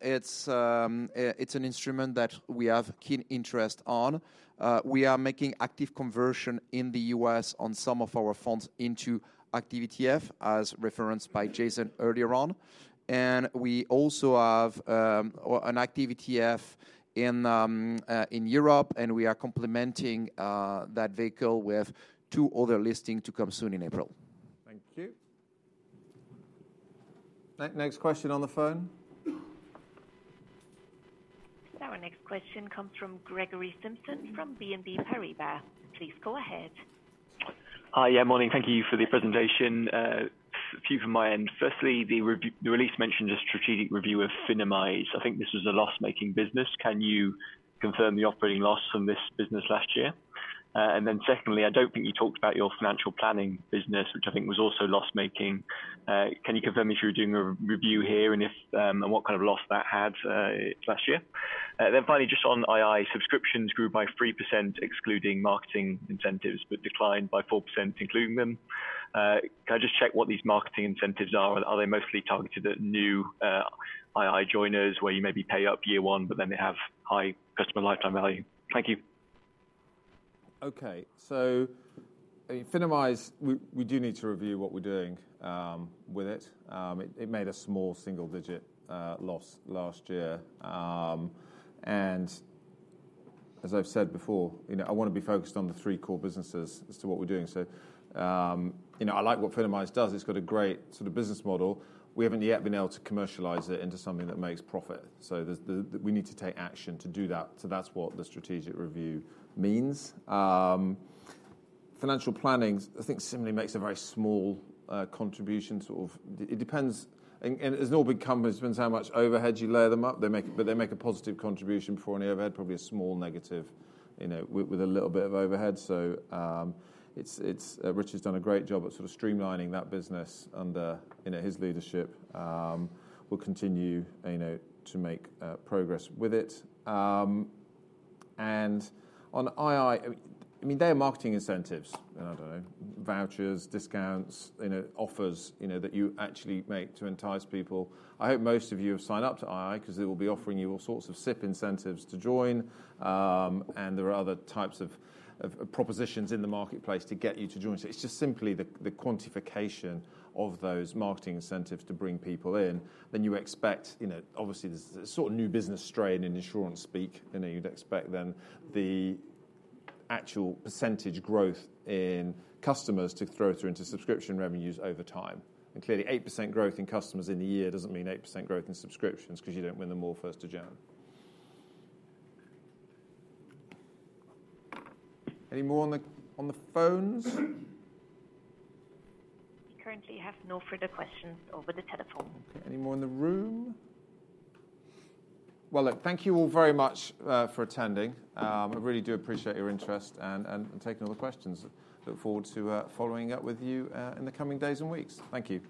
it's an instrument that we have keen interest on. We are making active conversion in the U.S. on some of our funds into active ETF, as referenced by Jason earlier on. And we also have an active ETF in Europe, and we are complementing that vehicle with two other listings to come soon in April. Thank you. Next question on the phone. Our next question comes from Gregory Simpson from BNP Paribas. Please go ahead. Hi. Yeah, morning. Thank you for the presentation. A few from my end. Firstly, the release mentioned a strategic review of Finimize. I think this was a loss-making business. Can you confirm the operating loss from this business last year? And then secondly, I don't think you talked about your Financial Planning business, which I think was also loss-making. Can you confirm if you were doing a review here and what kind of loss that had last year? Then finally, just on ii, subscriptions grew by 3%, excluding marketing incentives, but declined by 4%, including them. Can I just check what these marketing incentives are? Are they mostly targeted at new ii joiners where you maybe pay up year one, but then they have high customer lifetime value? Thank you. Okay. So Finimize, we do need to review what we're doing with it. It made a small single-digit loss last year. And as I've said before, I want to be focused on the three core businesses as to what we're doing. So I like what Finimize does. It's got a great sort of business model. We haven't yet been able to commercialize it into something that makes profit. So we need to take action to do that. So that's what the strategic review means. Financial planning, I think, simply makes a very small contribution. It depends. It's an all-in company. It depends how much overhead you layer them up, but they make a positive contribution for any overhead, probably a small negative with a little bit of overhead. Richard's done a great job at sort of streamlining that business under his leadership. We'll continue to make progress with it. On ii, I mean, they have marketing incentives, and I don't know, vouchers, discounts, offers that you actually make to entice people. I hope most of you have signed up to ii because they will be offering you all sorts of SIPP incentives to join. There are other types of propositions in the marketplace to get you to join. It's just simply the quantification of those marketing incentives to bring people in. You expect, obviously, there's a sort of new business strain in insurance speak. You'd expect then the actual percentage growth in customers to throw through into subscription revenues over time. And clearly, 8% growth in customers in a year doesn't mean 8% growth in subscriptions because you don't win them all first of June. Any more on the phones? We currently have no further questions over the telephone. Okay. Any more in the room? Well, look, thank you all very much for attending. I really do appreciate your interest and taking all the questions. Look forward to following up with you in the coming days and weeks. Thank you.